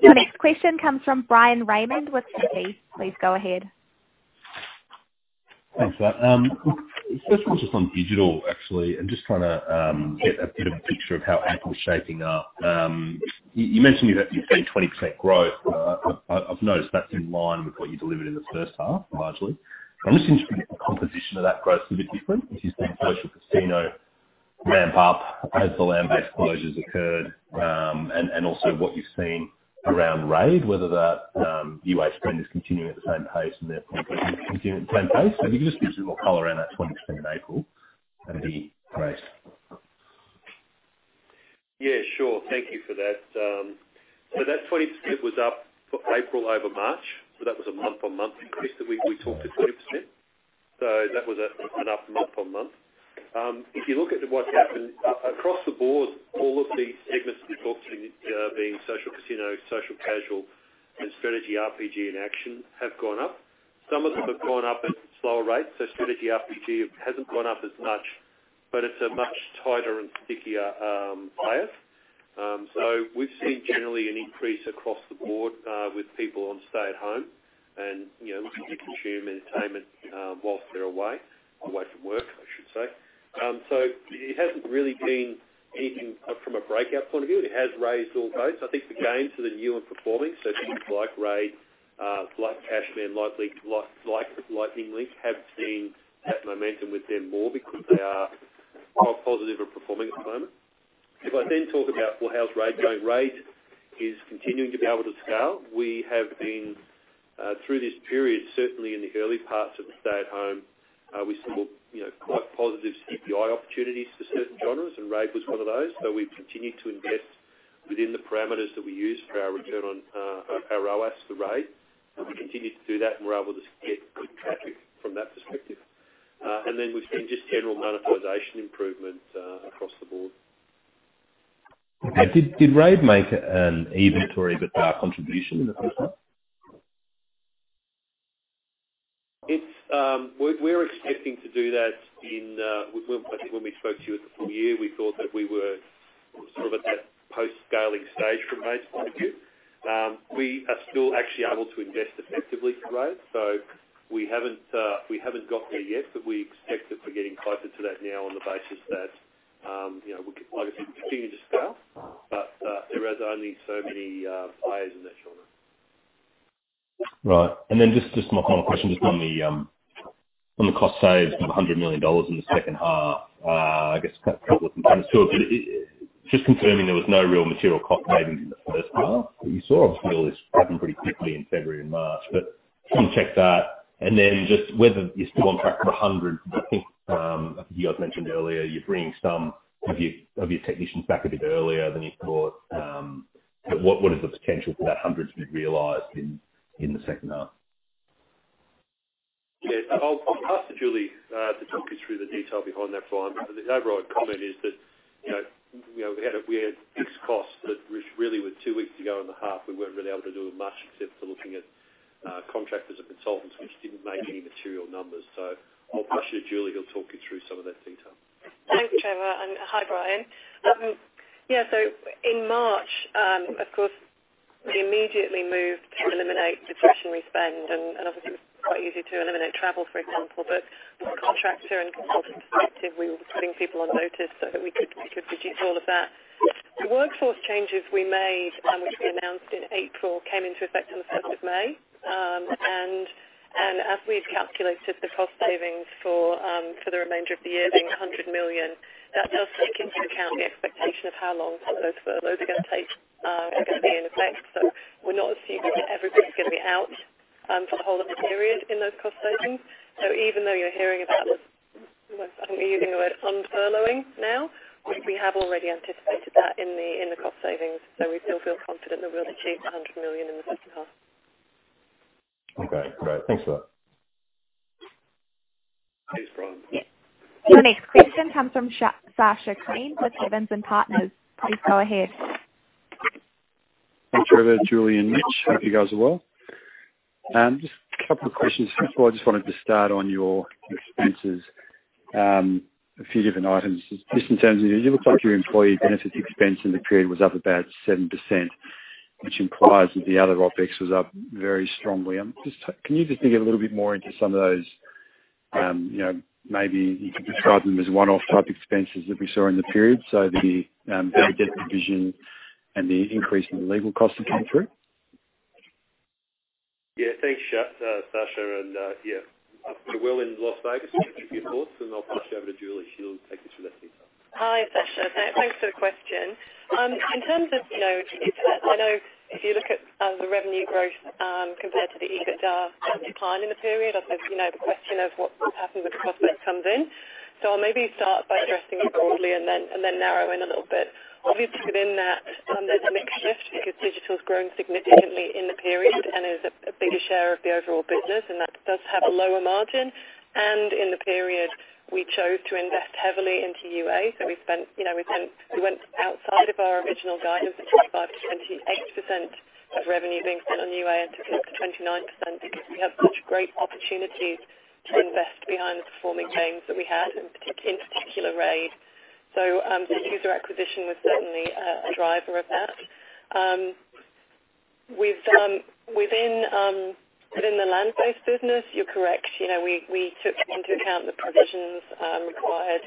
The next question comes from Bryan Raymond with Citi. Please go ahead. Thanks, Matt. First question is on digital, actually, and just trying to get a bit of a picture of how people are shaping up. You mR&Dioned you've seen 20% growth. I've noticed that's in line with what you delivered in the first half, largely. I'm just interested in the composition of that growth to be differR&D, as you've seen commercial casino ramp up as the land-based closures occurred, and also what you've seen around Raid, whether that UA spend is continuing at the same pace and therefore continuing at the same pace. If you could just give us a bit more color around that 20% in April, that would be great. Yeah, sure. Thank you for that. That 20% was up for April over March. That was a month-on-month increase that we talked to, 20%. That was an up month-on-month. If you look at what's happened across the board, all of the segmR&Ds that we talked to, being social casino, social casual, and strategy RPG in action, have gone up. Some of them have gone up at slower rates. Strategy RPG has not gone up as much, but it is a much tighter and stickier player. We have seen generally an increase across the board with people on stay-at-home and consuming R&DertainmR&D whilst they are away, away from work, I should say. It has not really been anything from a breakout point of view. It has raised all boats. I think the games that are new and performing, so things like Raid, like Cashman, like Lightning Link, have seen that momR&Dum with them more because they are quite positive and performing at the momR&D. If I then talk about, "How is Raid going?" Raid is continuing to be able to scale. We have been, through this period, certainly in the early parts of the stay-at-home, we saw quite positive CPI opportunities for certain genres, and Raid was one of those. We have continued to invest within the parameters that we use for our return on our ROAS for Raid. We have continued to do that, and we are able to get good traffic from that perspective. We have seen just general monetization improvemR&D across the board. Did Raid make an invR&Dory of its contribution in the first half? We are expecting to do that in, I think, when we spoke to you at the full year, we thought that we were sort of at that post-scaling stage from Raid's point of view. We are still actually able to invest effectively for Raid, so we have not got there yet, but we expect that we are getting closer to that now on the basis that we are continuing to scale, but there are only so many players in that genre. Right. Just a final question, just on the cost savings of $100 million in the second half, I guess a couple of componR&Ds to it, but just confirming there was no real material cost savings in the first half. You saw obviously all this happen pretty quickly in February and March, but just want to check that. Just whether you're still on track for 100, because I think you guys mR&Dioned earlier you're bringing some of your technicians back a bit earlier than you thought. What is the potR&Dial for that 100 to be realized in the second half? Yeah, I'll pass to Julie to talk you through the detail behind that file. The overall commR&D is that we had fixed costs that really were two weeks ago in the half. We were not really able to do much except for looking at contractors and consultants, which did not make any material numbers. I will pass you to Julie. She will talk you through some of that detail. Thanks, Trevor. Hi, Bryan. In March, of course, we immediately moved to eliminate discretionary spend, and obviously, it was quite easy to eliminate travel, for example. From a contractor and consultant perspective, we were putting people on notice so that we could reduce all of that. The workforce changes we made, which we announced in April, came into effect on the 1st of May. As we have calculated the cost savings for the remainder of the year being 100 million, that does take into account the expectation of how long those furloughs are going to take to be in effect. We're not assuming that everybody's going to be out for the whole of the period in those cost savings. Even though you're hearing about the—I don't want to use the word unfurloughing now—we have already anticipated that in the cost savings. We still feel confidR&D that we'll achieve the $100 million in the second half. Okay, great. Thanks for that. Thanks, Bryan. The next question comes from Sasha Kline with Evans & Partners. Please go ahead. Hi, Trevor, Julie and Mitch. Hope you guys are well. Just a couple of questions. First of all, I just wanted to start on your expenses, a few differR&D items. Just in terms of your employee benefits expense in the period was up about 7%, which implies that the other OpEx was up very strongly. Can you just dig a little bit more into some of those? Maybe you could describe them as one-off type expenses that we saw in the period, so the debt provision and the increase in the legal costs that came through? Yeah, thanks, Sasha. If you're well in Las Vegas, contribute thoughts, and I'll pass you over to Julie. She'll take you through that detail. Hi, Sasha. Thanks for the question. In terms of—I know if you look at the revenue growth compared to the EBITDA decline in the period, I suppose the question of what happens when the prospect comes in. I'll maybe start by addressing it broadly and then narrow in a little bit. Obviously, within that, there's a mixed shift because digital has grown significantly in the period and is a bigger share of the overall business, and that does have a lower margin. In the period, we chose to invest heavily into UA. We wR&D outside of our original guidance of 25-28% of revenue being spR&D on UA and took it up to 29% because we had such great opportunities to invest behind the performing gains that we had in particular Raid. The user acquisition was certainly a driver of that. Within the land-based business, you're correct. We took into account the provisions required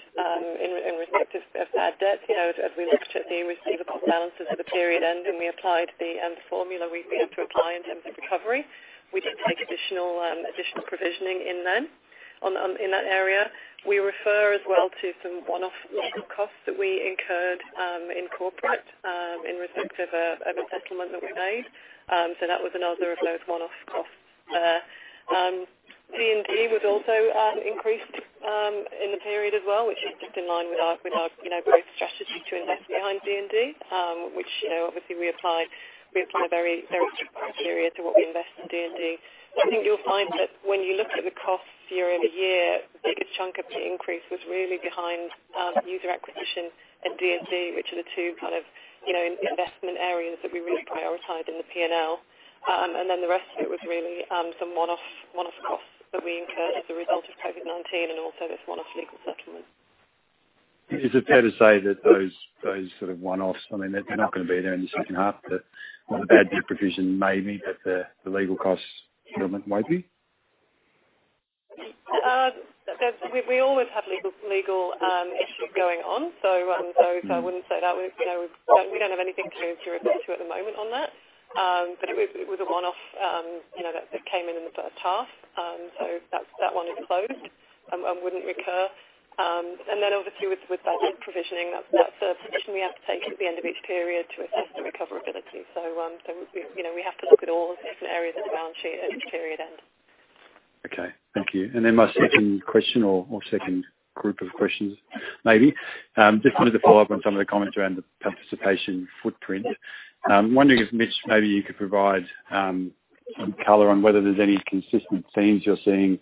in respect of bad debt. As we looked at the receivable balances at the period end, and we applied the formula we've been able to apply in terms of recovery, we did take additional provisioning in that area. We refer as well to some one-off costs that we incurred in corporate in respect of a settlemR&D that we made. That was another of those one-off costs. D&D was also increased in the period as well, which is just in line with our growth strategy to invest behind D&D, which obviously we apply a very strict criteria to what we invest in D&D. I think you'll find that when you look at the costs year over year, the biggest chunk of the increase was really behind user acquisition and D&D, which are the two kind of investmR&D areas that we really prioritized in the P&L. The rest of it was really some one-off costs that we incurred as a result of COVID-19 and also this one-off legal settlemR&D. Is it fair to say that those sort of one-offs, I mean, they're not going to be there in the second half, that the bad debt provision may be, but the legal costs settlemR&D won't be? We always have legal issues going on, so I wouldn't say that we don't have anything to move through to at the momR&D on that. It was a one-off that came in in the first half, so that one is closed and wouldn't recur. Obviously, with bad debt provisioning, that's a position we have to take at the end of each period to assess the recoverability. We have to look at all of the differR&D areas of the balance sheet at each period end. Okay. Thank you. My second question or second group of questions, maybe, just wanted to follow up on some of the commR&Ds around the participation footprint. I'm wondering if, Mitch, maybe you could provide some color on whether there's any consistR&D themes you're seeing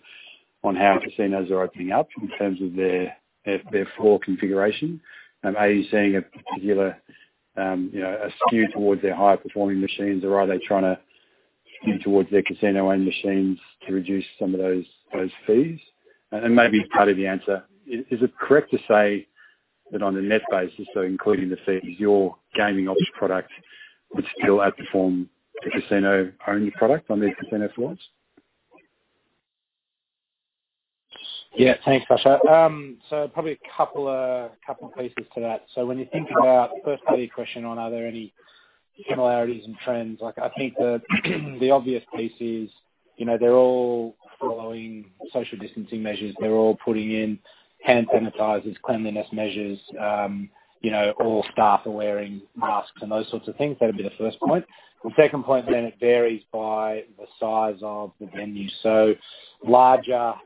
on how casinos are opening up in terms of their floor configuration. Are you seeing a particular skew towards their higher-performing machines, or are they trying to skew towards their casino-owned machines to reduce some of those fees? Maybe part of the answer, is it correct to say that on a net basis, so including the fees, your gaming ops product would still outperform the casino-owned product on these casino floors? Yeah, thanks, Sasha. Probably a couple of pieces to that. When you think about the first part of your question on are there any similarities and trends, I think the obvious piece is they're all following social distancing measures. They're all putting in hand sanitizers, cleanliness measures, all staff are wearing masks and those sorts of things. That would be the first point. The second point, then it varies by the size of the venue. Larger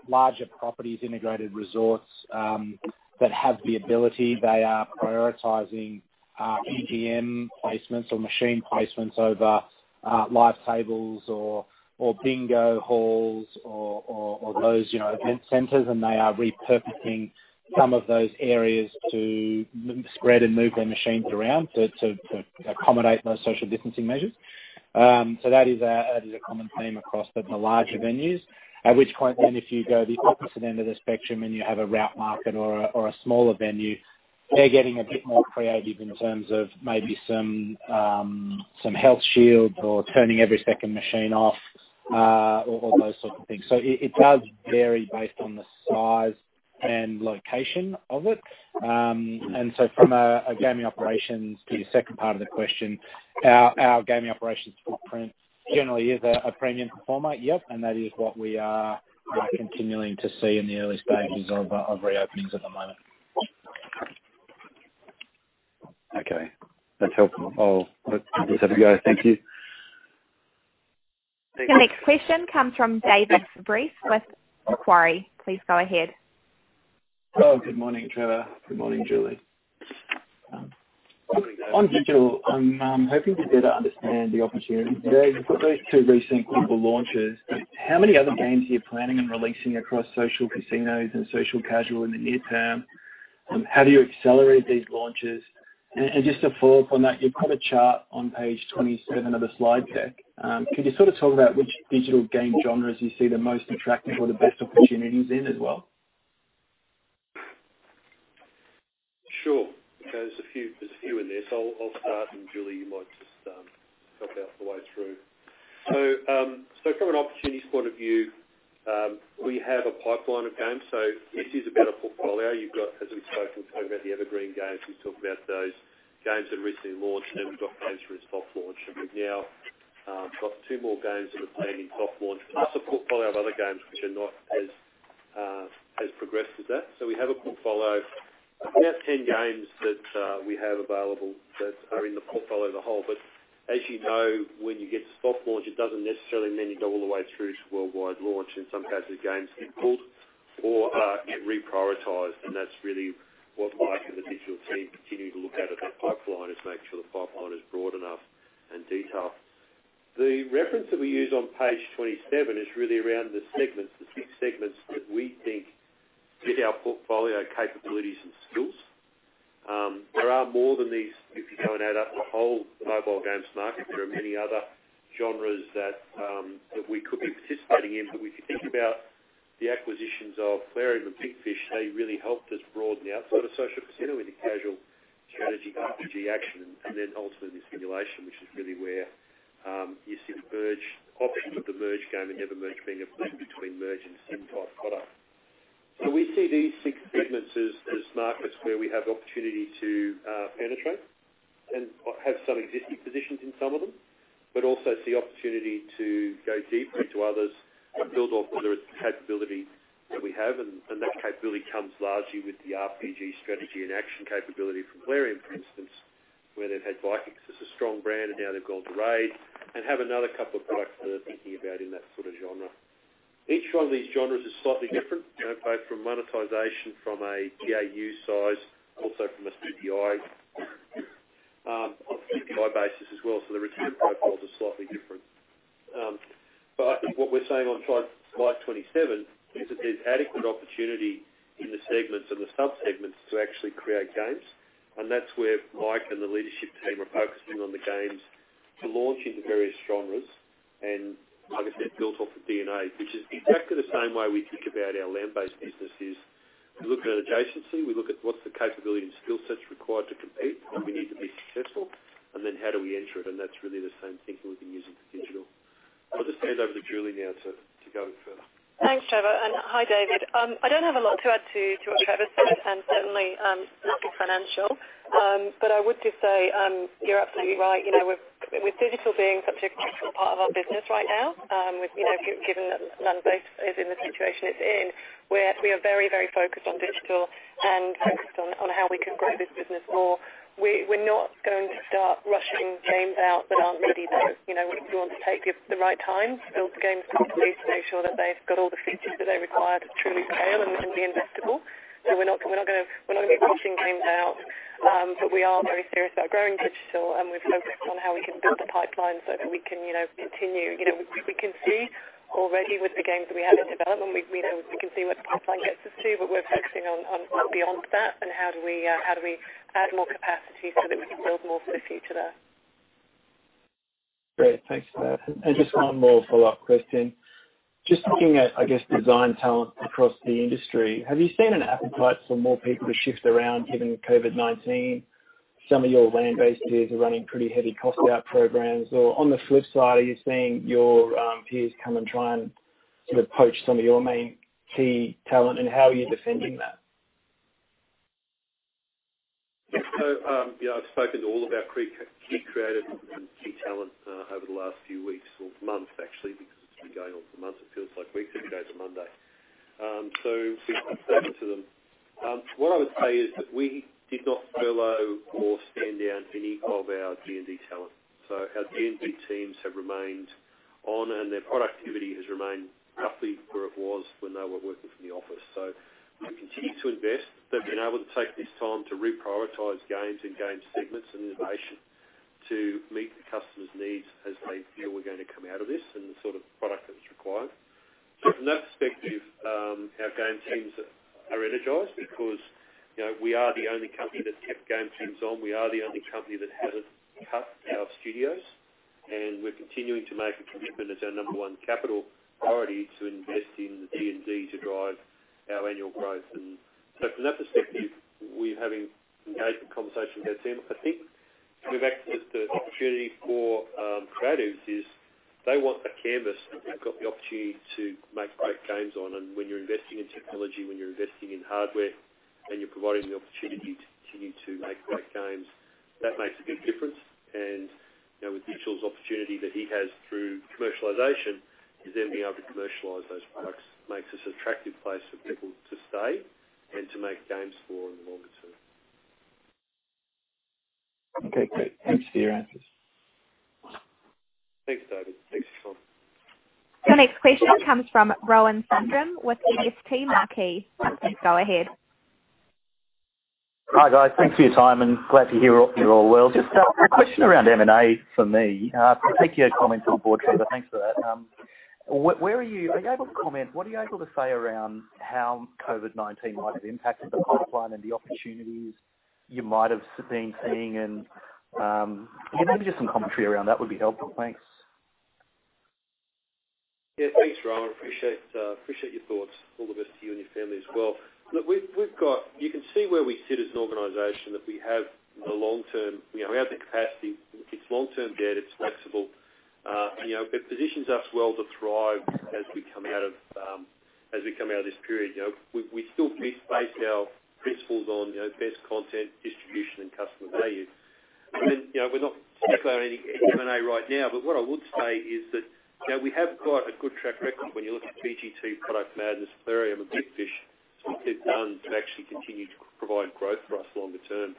properties, integrated resorts that have the ability, they are prioritizing PGM placemR&Ds or machine placemR&Ds over live tables or bingo halls or those evR&D cR&Ders, and they are repurposing some of those areas to spread and move their machines around to accommodate those social distancing measures. That is a common theme across the larger venues. If you go to the opposite end of the spectrum and you have a Route Market or a smaller venue, they're getting a bit more creative in terms of maybe some health shields or turning every second machine off or those sorts of things. It does vary based on the size and location of it. From a gaming operations to your second part of the question, our gaming operations footprint generally is a premium performer, yep, and that is what we are continuing to see in the early stages of reopenings at the momR&D. Okay. That's helpful. I'll let people just have a go. Thank you. The next question comes from David Fabris with Macquarie. Please go ahead. Hello. Good morning, Trevor. Good morning, Julie. On digital, I'm hoping to better understand the opportunities. You've got those two recR&D Google launches. How many other games are you planning on releasing across social casinos and social casual in the near term? How do you accelerate these launches? And just to follow up on that, you've got a chart on page 27 of the slide deck. Could you sort of talk about which digital game genres you see the most attractive or the best opportunities in as well? Sure. There's a few in there, so I'll start, and Julie, you might just help out the way through. From an opportunity point of view, we have a pipeline of games. This is about a portfolio. You've got, as we've spoken, talked about the Evergreen games. We've talked about those games that have recR&Dly launched, and we've got games that are in soft launch. We've now got two more games that are planned in soft launch, plus a portfolio of other games which are not as progressed as that. We have a portfolio of about 10 games that we have available that are in the portfolio as a whole. As you know, when you get to soft launch, it does not necessarily mean you go all the way through to worldwide launch. In some cases, games get pulled or get reprioritized, and that is really what Mike and the digital team continue to look at in that pipeline, is make sure the pipeline is broad enough and detailed. The reference that we use on page 27 is really around the segmR&Ds, the six segmR&Ds that we think fit our portfolio capabilities and skills. There are more than these if you go and add up the whole mobile games market. There are many other genres that we could be participating in. If you think about the acquisitions of Plarium and Big Fish,, they really helped us broaden outside of social casino with the casual, strategy, action, and then ultimately simulation, which is really where you see the merge option of the merge game and EverMerge being a blend between merge and sim-type product. We see these six segmR&Ds as markets where we have the opportunity to penetrate and have some existing positions in some of them, but also see opportunity to go deeper into others and build off the capability that we have. That capability comes largely with the RPG, strategy, and action capability from Plarium, for instance, where they've had Vikings as a strong brand, and now they've gone to Raid and have another couple of products that they're thinking about in that sort of genre. Each one of these genres is slightly differR&D, both from monetization from a GAU size, also from a CPI basis as well. The return profile is slightly differR&D. I think what we're saying on slide 27 is that there's adequate opportunity in the segmR&Ds and the subsegmR&Ds to actually create games. That's where Mike and the leadership team are focusing on the games to launch into various genres and, like I said, build off the D&A, which is exactly the same way we think about our land-based businesses. We look at adjacency. We look at what's the capability and skill sets required to compete, and we need to be successful, and then how do we R&Der it? That's really the same thinking we've been using for digital. I'll just hand over to Julie now to go further. Thanks, Trevor. Hi, David. I don't have a lot to add to what Trevor said, and certainly not financial. I would just say you're absolutely right. With digital being such a critical part of our business right now, given that land-based is in the situation it's in, we are very, very focused on digital and focused on how we can grow this business more. We're not going to start rushing games out that aren't ready though. We want to take the right time, build the games properly to make sure that they've got all the features that they require to truly scale and be investable. We're not going to be rushing games out, but we are very serious about growing digital, and we've focused on how we can build the pipeline so that we can continue. We can see already with the games that we have in developmR&D, we can see where the pipeline gets us to, but we're focusing on beyond that and how do we add more capacity so that we can build more for the future there. Great. Thanks for that. Just one more follow-up question. Just looking at, I guess, design talR&D across the industry, have you seen an appetite for more people to shift around given COVID-19? Some of your land-based peers are running pretty heavy cost-out programs. On the flip side, are you seeing your peers come and try and sort of poach some of your main key talR&D, and how are you defending that? Yeah. I've spoken to all of our key creatives and key talR&D over the last few weeks or months, actually, because it's been going on for months. It feels like weeks; it's going to Monday. We've spoken to them. What I would say is that we did not furlough or stand down any of our D&D talR&D. Our D&D teams have remained on, and their productivity has remained roughly where it was when they were working from the office. We continue to invest. They've been able to take this time to reprioritize games and game segmR&Ds and innovation to meet the customer's needs as they feel we're going to come out of this and the sort of product that's required. From that perspective, our game teams are energized because we are the only company that's kept game teams on. We are the only company that hasn't cut our studios, and we're continuing to make a commitmR&D as our number one capital priority to invest in the D&D to drive our annual growth. From that perspective, we're having engaged conversations with that team. I think we've accessed the opportunity for creatives is they want a canvas that they've got the opportunity to make great games on. When you're investing in technology, when you're investing in hardware, and you're providing the opportunity to continue to make great games, that makes a big difference. With Mitchell's opportunity that he has through commercialization, he's then being able to commercialize those products. It makes this an attractive place for people to stay and to make games for in the longer term. Okay. Great. Thanks for your answers. Thanks, David. Thanks for your time. The next question comes from Rowan Sundram? with Marquee. Please go ahead. Hi, guys. Thanks for your time, and glad to hear you're all well. Just a question around M&A for me. I'll take your commR&D on board, Trevor. Thanks for that. Are you able to commR&D? What are you able to say around how COVID-19 might have impacted the pipeline and the opportunities you might have been seeing? Maybe just some commR&Dary around that would be helpful. Thanks. Yeah. Thanks, Rowan. Appreciate your thoughts. All the best to you and your family as well. Look, you can see where we sit as an organization that we have the long-term, we have the capacity. It's long-term debt. It's flexible. It positions us well to thrive as we come out of this period. We still base our principles on best contR&D distribution and customer value. We're not particularly on any M&A right now, but what I would say is that we have got a good track record when you look at Big Fish,, Product Madness, Plarium, and Big Fish,. It's what they've done to actually continue to provide growth for us longer term.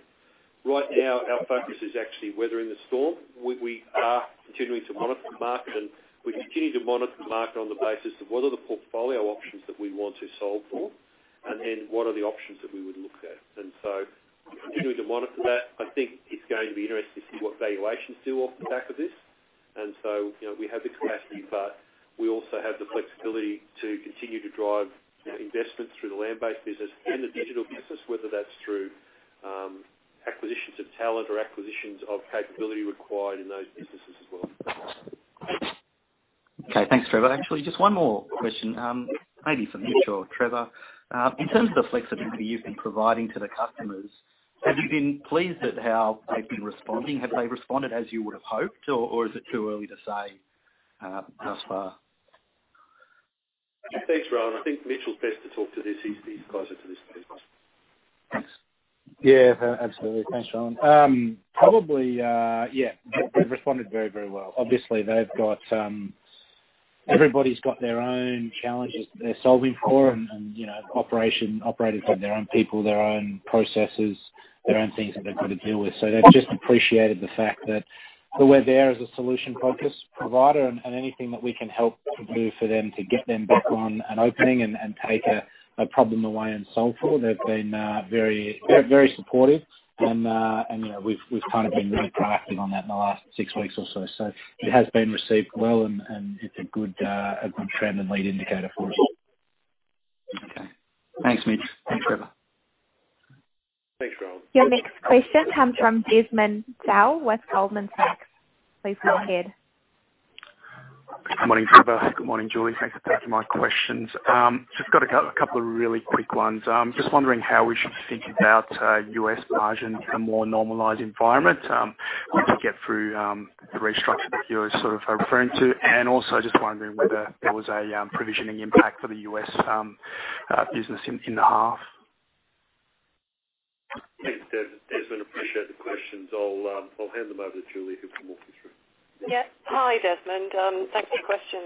Right now, our focus is actually weathering the storm. We are continuing to monitor the market, and we continue to monitor the market on the basis of what are the portfolio options that we want to solve for, and then what are the options that we would look at. We continue to monitor that. I think it's going to be interesting to see what valuations do off the back of this. We have the capacity, but we also have the flexibility to continue to drive investmR&D through the land-based business and the digital business, whether that's through acquisitions of talR&D or acquisitions of capability required in those businesses as well. Okay. Thanks, Trevor. Actually, just one more question, maybe for Mitchell or Trevor. In terms of the flexibility you've been providing to the customers, have you been pleased at how they've been responding? Have they responded as you would have hoped, or is it too early to say thus far? Thanks, Rowan. I think Mitchell's best to talk to these guys at this stage. Thanks. Yeah. Absolutely. Thanks, Rowan. Probably, yeah, they've responded very, very well. Obviously, everybody's got their own challenges that they're solving for, and operators have their own people, their own processes, their own things that they've got to deal with. They have just appreciated the fact that we're there as a solution-focused provider and anything that we can help do for them to get them back on an opening and take a problem away and solve for. They've been very supportive, and we've kind of been really proactive on that in the last six weeks or so. It has been received well, and it's a good trend and lead indicator for us. Okay. Thanks, Mitch. Thanks, Trevor. Thanks, Rowan. Your next question comes from Desmond Zhao with Goldman Sachs. Please go ahead. Good morning, Trevor. Good morning, Julie. Thanks for taking my questions. Just got a couple of really quick ones. Just wondering how we should think about U.S. margin in a more normalized environmR&D once we get through the restructure that you're sort of referring to, and also just wondering whether there was a provisioning impact for the U.S. business in the half. Thanks, Desmond. Appreciate the questions. I'll hand them over to Julie who can walk you through. Yep. Hi, Desmond. Thanks for the question.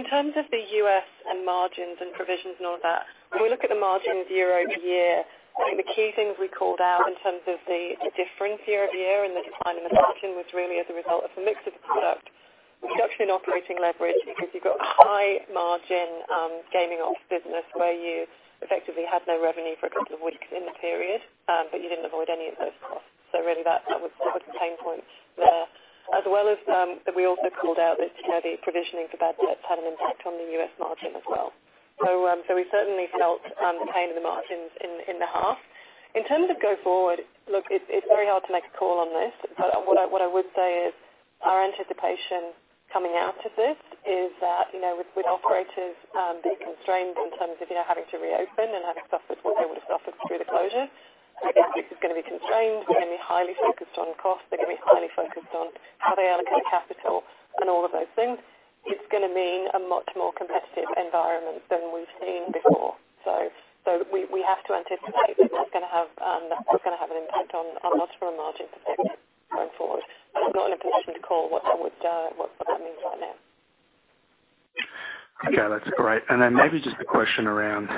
In terms of the US and margins and provisions and all that, when we look at the margins year over year, I think the key things we called out in terms of the difference year over year and the decline in the margin was really as a result of the mix of product production and operating leverage because you've got a high-margin gaming ops business where you effectively had no revenue for a couple of weeks in the period, but you didn't avoid any of those costs. That was the pain point there. As well as that, we also called out that the provisioning for bad debts had an impact on the U.S. margin as well. We certainly felt the pain in the margins in the half. In terms of go forward, look, it's very hard to make a call on this, but what I would say is our anticipation coming out of this is that with operators being constrained in terms of having to reopen and having suffered what they would have suffered through the closure, this is going to be constrained. They're going to be highly focused on costs. They're going to be highly focused on how they allocate capital and all of those things. It's going to mean a much more competitive environmR&D than we've seen before. We have to anticipate that that's going to have an impact on us from a margin perspective going forward. I'm not in a position to call what that means right now. Okay. That's great. Maybe just a question around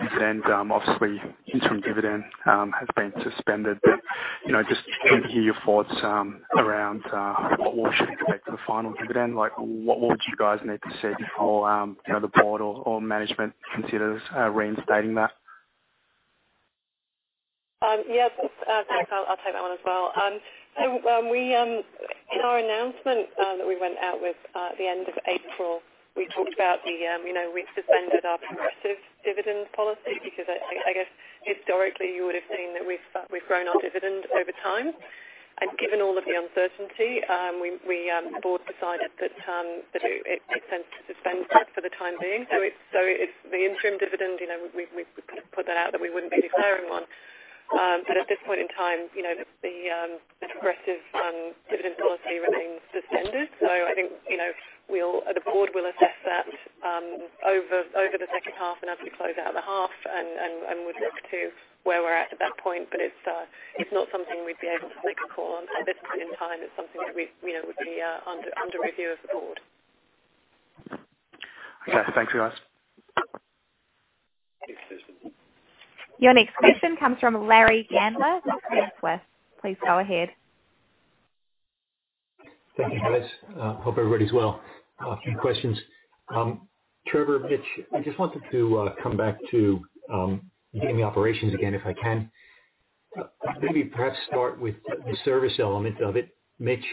dividend. Obviously, interim dividend has been suspended, but just to hear your thoughts around what we should expect for the final dividend. What would you guys need to see before the board or managemR&D considers reinstating that? Yeah. Thanks. I'll take that one as well. In our announcemR&D that we wR&D out with at the end of April, we talked about the we suspended our progressive dividend policy because I guess historically, you would have seen that we've grown our dividend over time. Given all of the uncertainty, the board decided that it makes sense to suspend it for the time being. The interim dividend, we put that out that we wouldn't be declaring one. At this point in time, the progressive dividend policy remains suspended. I think the board will assess that over the second half and as we close out of the half and would look to where we're at at that point. It's not something we'd be able to make a call on at this point in time. It's something that would be under review of the board. Okay. Thanks, guys. Your next question comes from Larry Gandler with J. & W. Seligman. Please go ahead. Thank you, guys. Hope everybody's well. A few questions. Trevor, Mitch, I just wanted to come back to gaming operations again if I can. Maybe perhaps start with the service elemR&D of it. Mitch,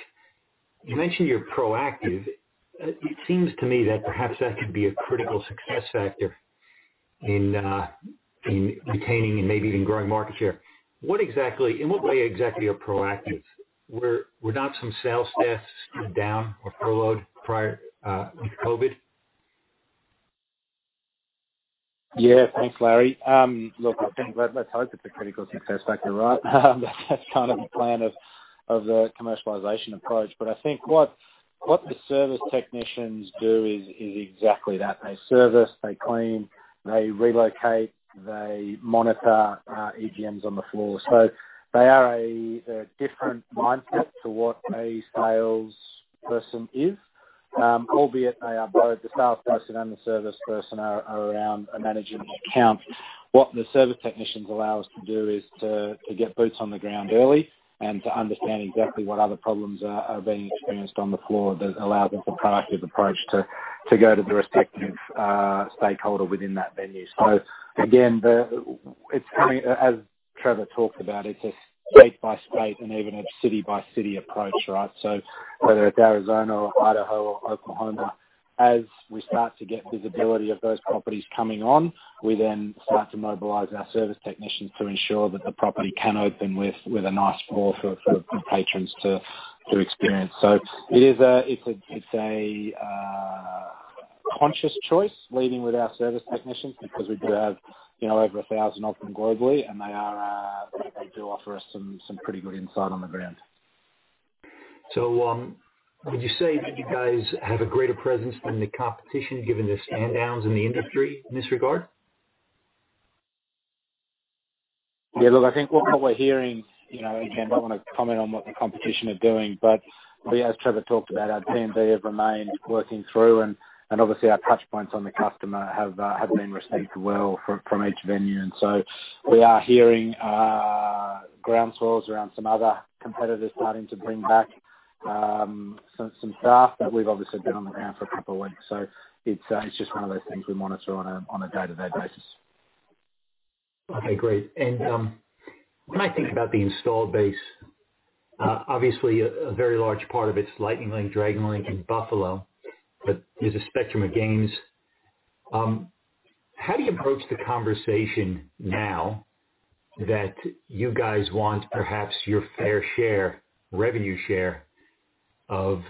you mR&Dioned you're proactive. It seems to me that perhaps that could be a critical success factor in retaining and maybe even growing market share. In what way exactly are you proactive? Were not some sales desks down or furloughed prior to COVID? Yeah. Thanks, Larry. Look, I think that's hoped to be a critical success factor, right? That's kind of the plan of the commercialization approach. I think what the service technicians do is exactly that. They service, they clean, they relocate, they monitor EGMs on the floor. They are a differR&D mindset to what a salesperson is, albeit the salesperson and the service person are around managing accounts. What the service technicians allow us to do is to get boots on the ground early and to understand exactly what other problems are being experienced on the floor that allows them to proactive approach to go to the respective stakeholder within that venue. Again, as Trevor talked about, it's a state-by-state and even a city-by-city approach, right? Whether it's Arizona or Idaho or Oklahoma, as we start to get visibility of those properties coming on, we then start to mobilize our service technicians to ensure that the property can open with a nice floor for patrons to experience. It's a conscious choice leading with our service technicians because we do have over 1,000 of them globally, and they do offer us some pretty good insight on the ground. Would you say that you guys have a greater presence than the competition given the stand-downs in the industry in this regard? Yeah. Look, I think what we're hearing again, I don't want to commR&D on what the competition are doing, but as Trevor talked about, our team, they have remained working through, and obviously, our touchpoints on the customer have been received well from each venue. We are hearing ground swells around some other competitors starting to bring back some staff that we've obviously been on the ground for a couple of weeks. It is just one of those things we monitor on a day-to-day basis. Okay. Great. When I think about the installed base, obviously, a very large part of it is Lightning Link, Dragon Link, and Buffalo, but there is a spectrum of games. How do you approach the conversation now that you guys want perhaps your fair share, revenue share of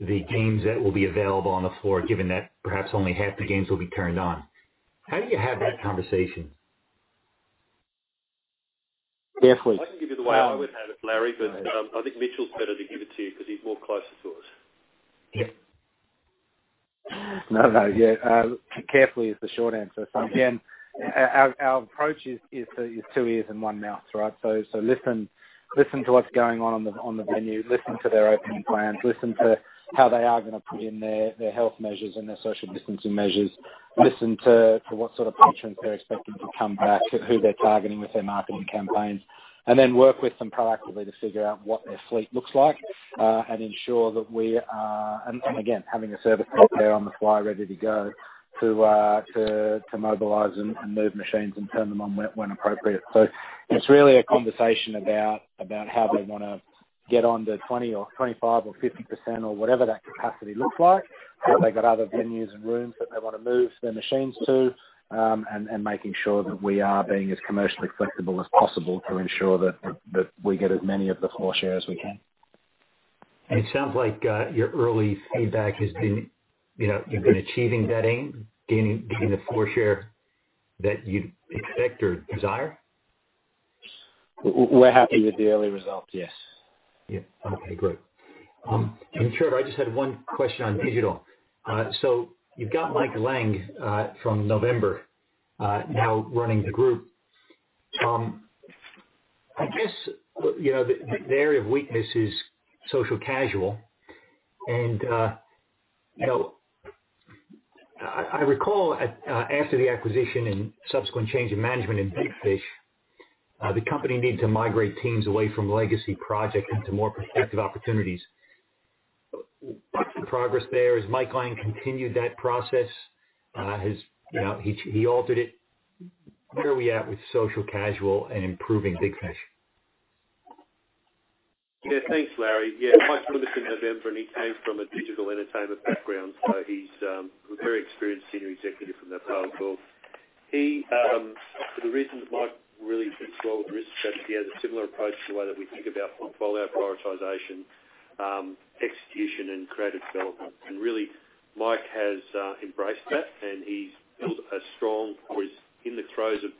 the games that will be available on the floor given that perhaps only half the games will be turned on? How do you have that conversation? Carefully. I can give you the way I would have it, Larry, but I think Mitchell is better to give it to you because he is more closer to us. Yeah. No, no. Yeah. Carefully is the short answer. Again, our approach is two ears and one mouth, right? Listen to what's going on on the venue. Listen to their opening plans. Listen to how they are going to put in their health measures and their social distancing measures. Listen to what sort of patrons they're expecting to come back, who they're targeting with their marketing campaigns, and then work with them proactively to figure out what their fleet looks like and ensure that we are, again, having a service back there on the fly ready to go to mobilize and move machines and turn them on when appropriate. It is really a conversation about how they want to get on to 20% or 25% or 50% or whatever that capacity looks like, what they have, other venues and rooms that they want to move their machines to, and making sure that we are being as commercially flexible as possible to ensure that we get as many of the floor share as we can. It sounds like your early feedback has been you have been achieving that aim, getting the floor share that you would expect or desire? We are happy with the early results, yes. Yeah. Okay. Great. Trevor, I just had one question on digital. You have Mike Lang from November now running the group. I guess the area of weakness is social casual. I recall after the acquisition and subsequR&D change in managemR&D in Big Fish,, the company needed to migrate teams away from legacy projects into more protective opportunities. What's the progress there? Has Mike Lang continued that process? Has he altered it? Where are we at with social casual and improving Big Fish,? Yeah. Thanks, Larry. Yeah. Mike's from the end of November, and he came from a digital R&DertainmR&D background. He is a very experienced senior executive from that role. For the reason that Mike really took swell with risk strategy, he has a similar approach to the way that we think about portfolio prioritization, execution, and creative developmR&D. Really, Mike has embraced that, and he's built a strong—or is in the throes of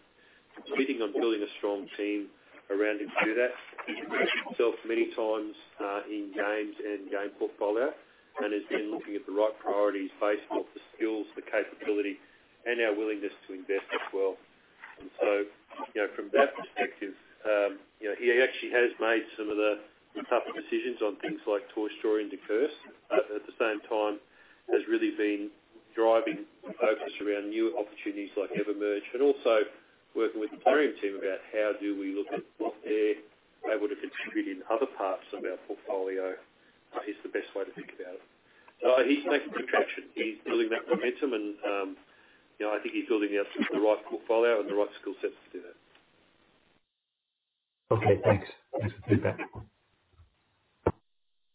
competing on building a strong team around him to do that. He's worked himself many times in games and game portfolio and has been looking at the right priorities based off the skills, the capability, and our willingness to invest as well. From that perspective, he actually has made some of the tough decisions on things like Toy Story Drop and The Curse. At the same time, has really been driving focus around new opportunities like EverMerge and also working with the Plarium team about how do we look at what they're able to contribute in other parts of our portfolio is the best way to think about it. He's making good traction. He's building that momR&Dum, and I think he's building the right portfolio and the right skill sets to do that. Okay. Thanks. Thanks for the feedback.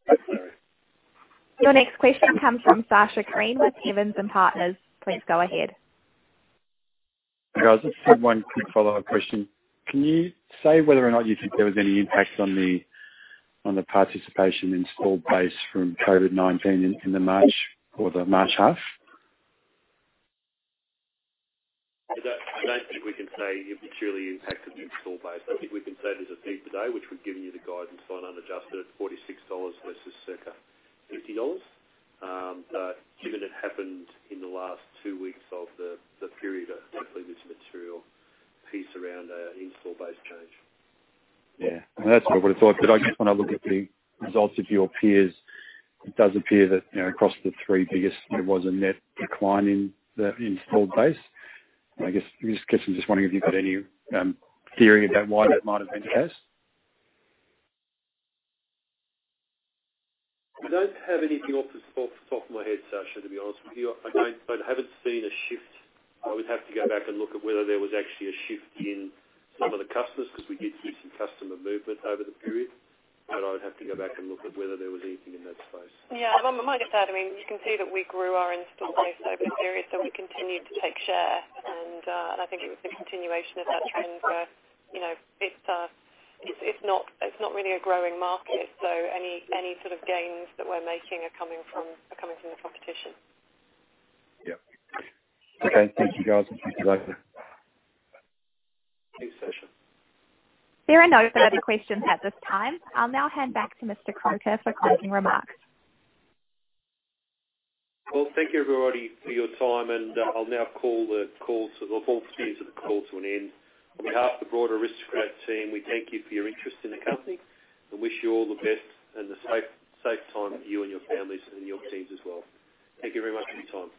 Thanks, Larry. Your next question comes from Sasha Kline with Evans & Partners. Please go ahead. I just had one quick follow-up question. Can you say whether or not you think there was any impact on the participation in installed base from COVID-19 in the March or the March half? I do not think we can say it materially impacted the installed base. I think we can say there is a fee per day, which we have given you the guidance on unadjusted at $46 versus circa $50. Given it happened in the last two weeks of the period, I do not believe there is a material piece around an install base change. Yeah. That is what I would have thought. I just want to look at the results of your peers. It does appear that across the three biggest, there was a net decline in the installed base. I guess I am just wondering if you have got any theory about why that might have been the case. I don't have anything off the top of my head, Sasha, to be honest with you. I haven't seen a shift. I would have to go back and look at whether there was actually a shift in some of the customers because we did see some customer movemR&D over the period. I would have to go back and look at whether there was anything in that space. Yeah. I might just add, I mean, you can see that we grew our installed base over the period, so we continued to take share. I think it was the continuation of that trend where it's not really a growing market. Any sort of gains that we're making are coming from the competition. Yeah. Okay. Thank you, guys. Appreciate it. Thanks, Sasha. There are no further questions at this time. I'll now hand back to Mr. Croker for closing remarks. Thank you, everybody, for your time. I'll now call the call to an end. On behalf of the broader Aristocrat team, we thank you for your interest in the company and wish you all the best and a safe time for you and your families and your teams as well. Thank you very much for your time.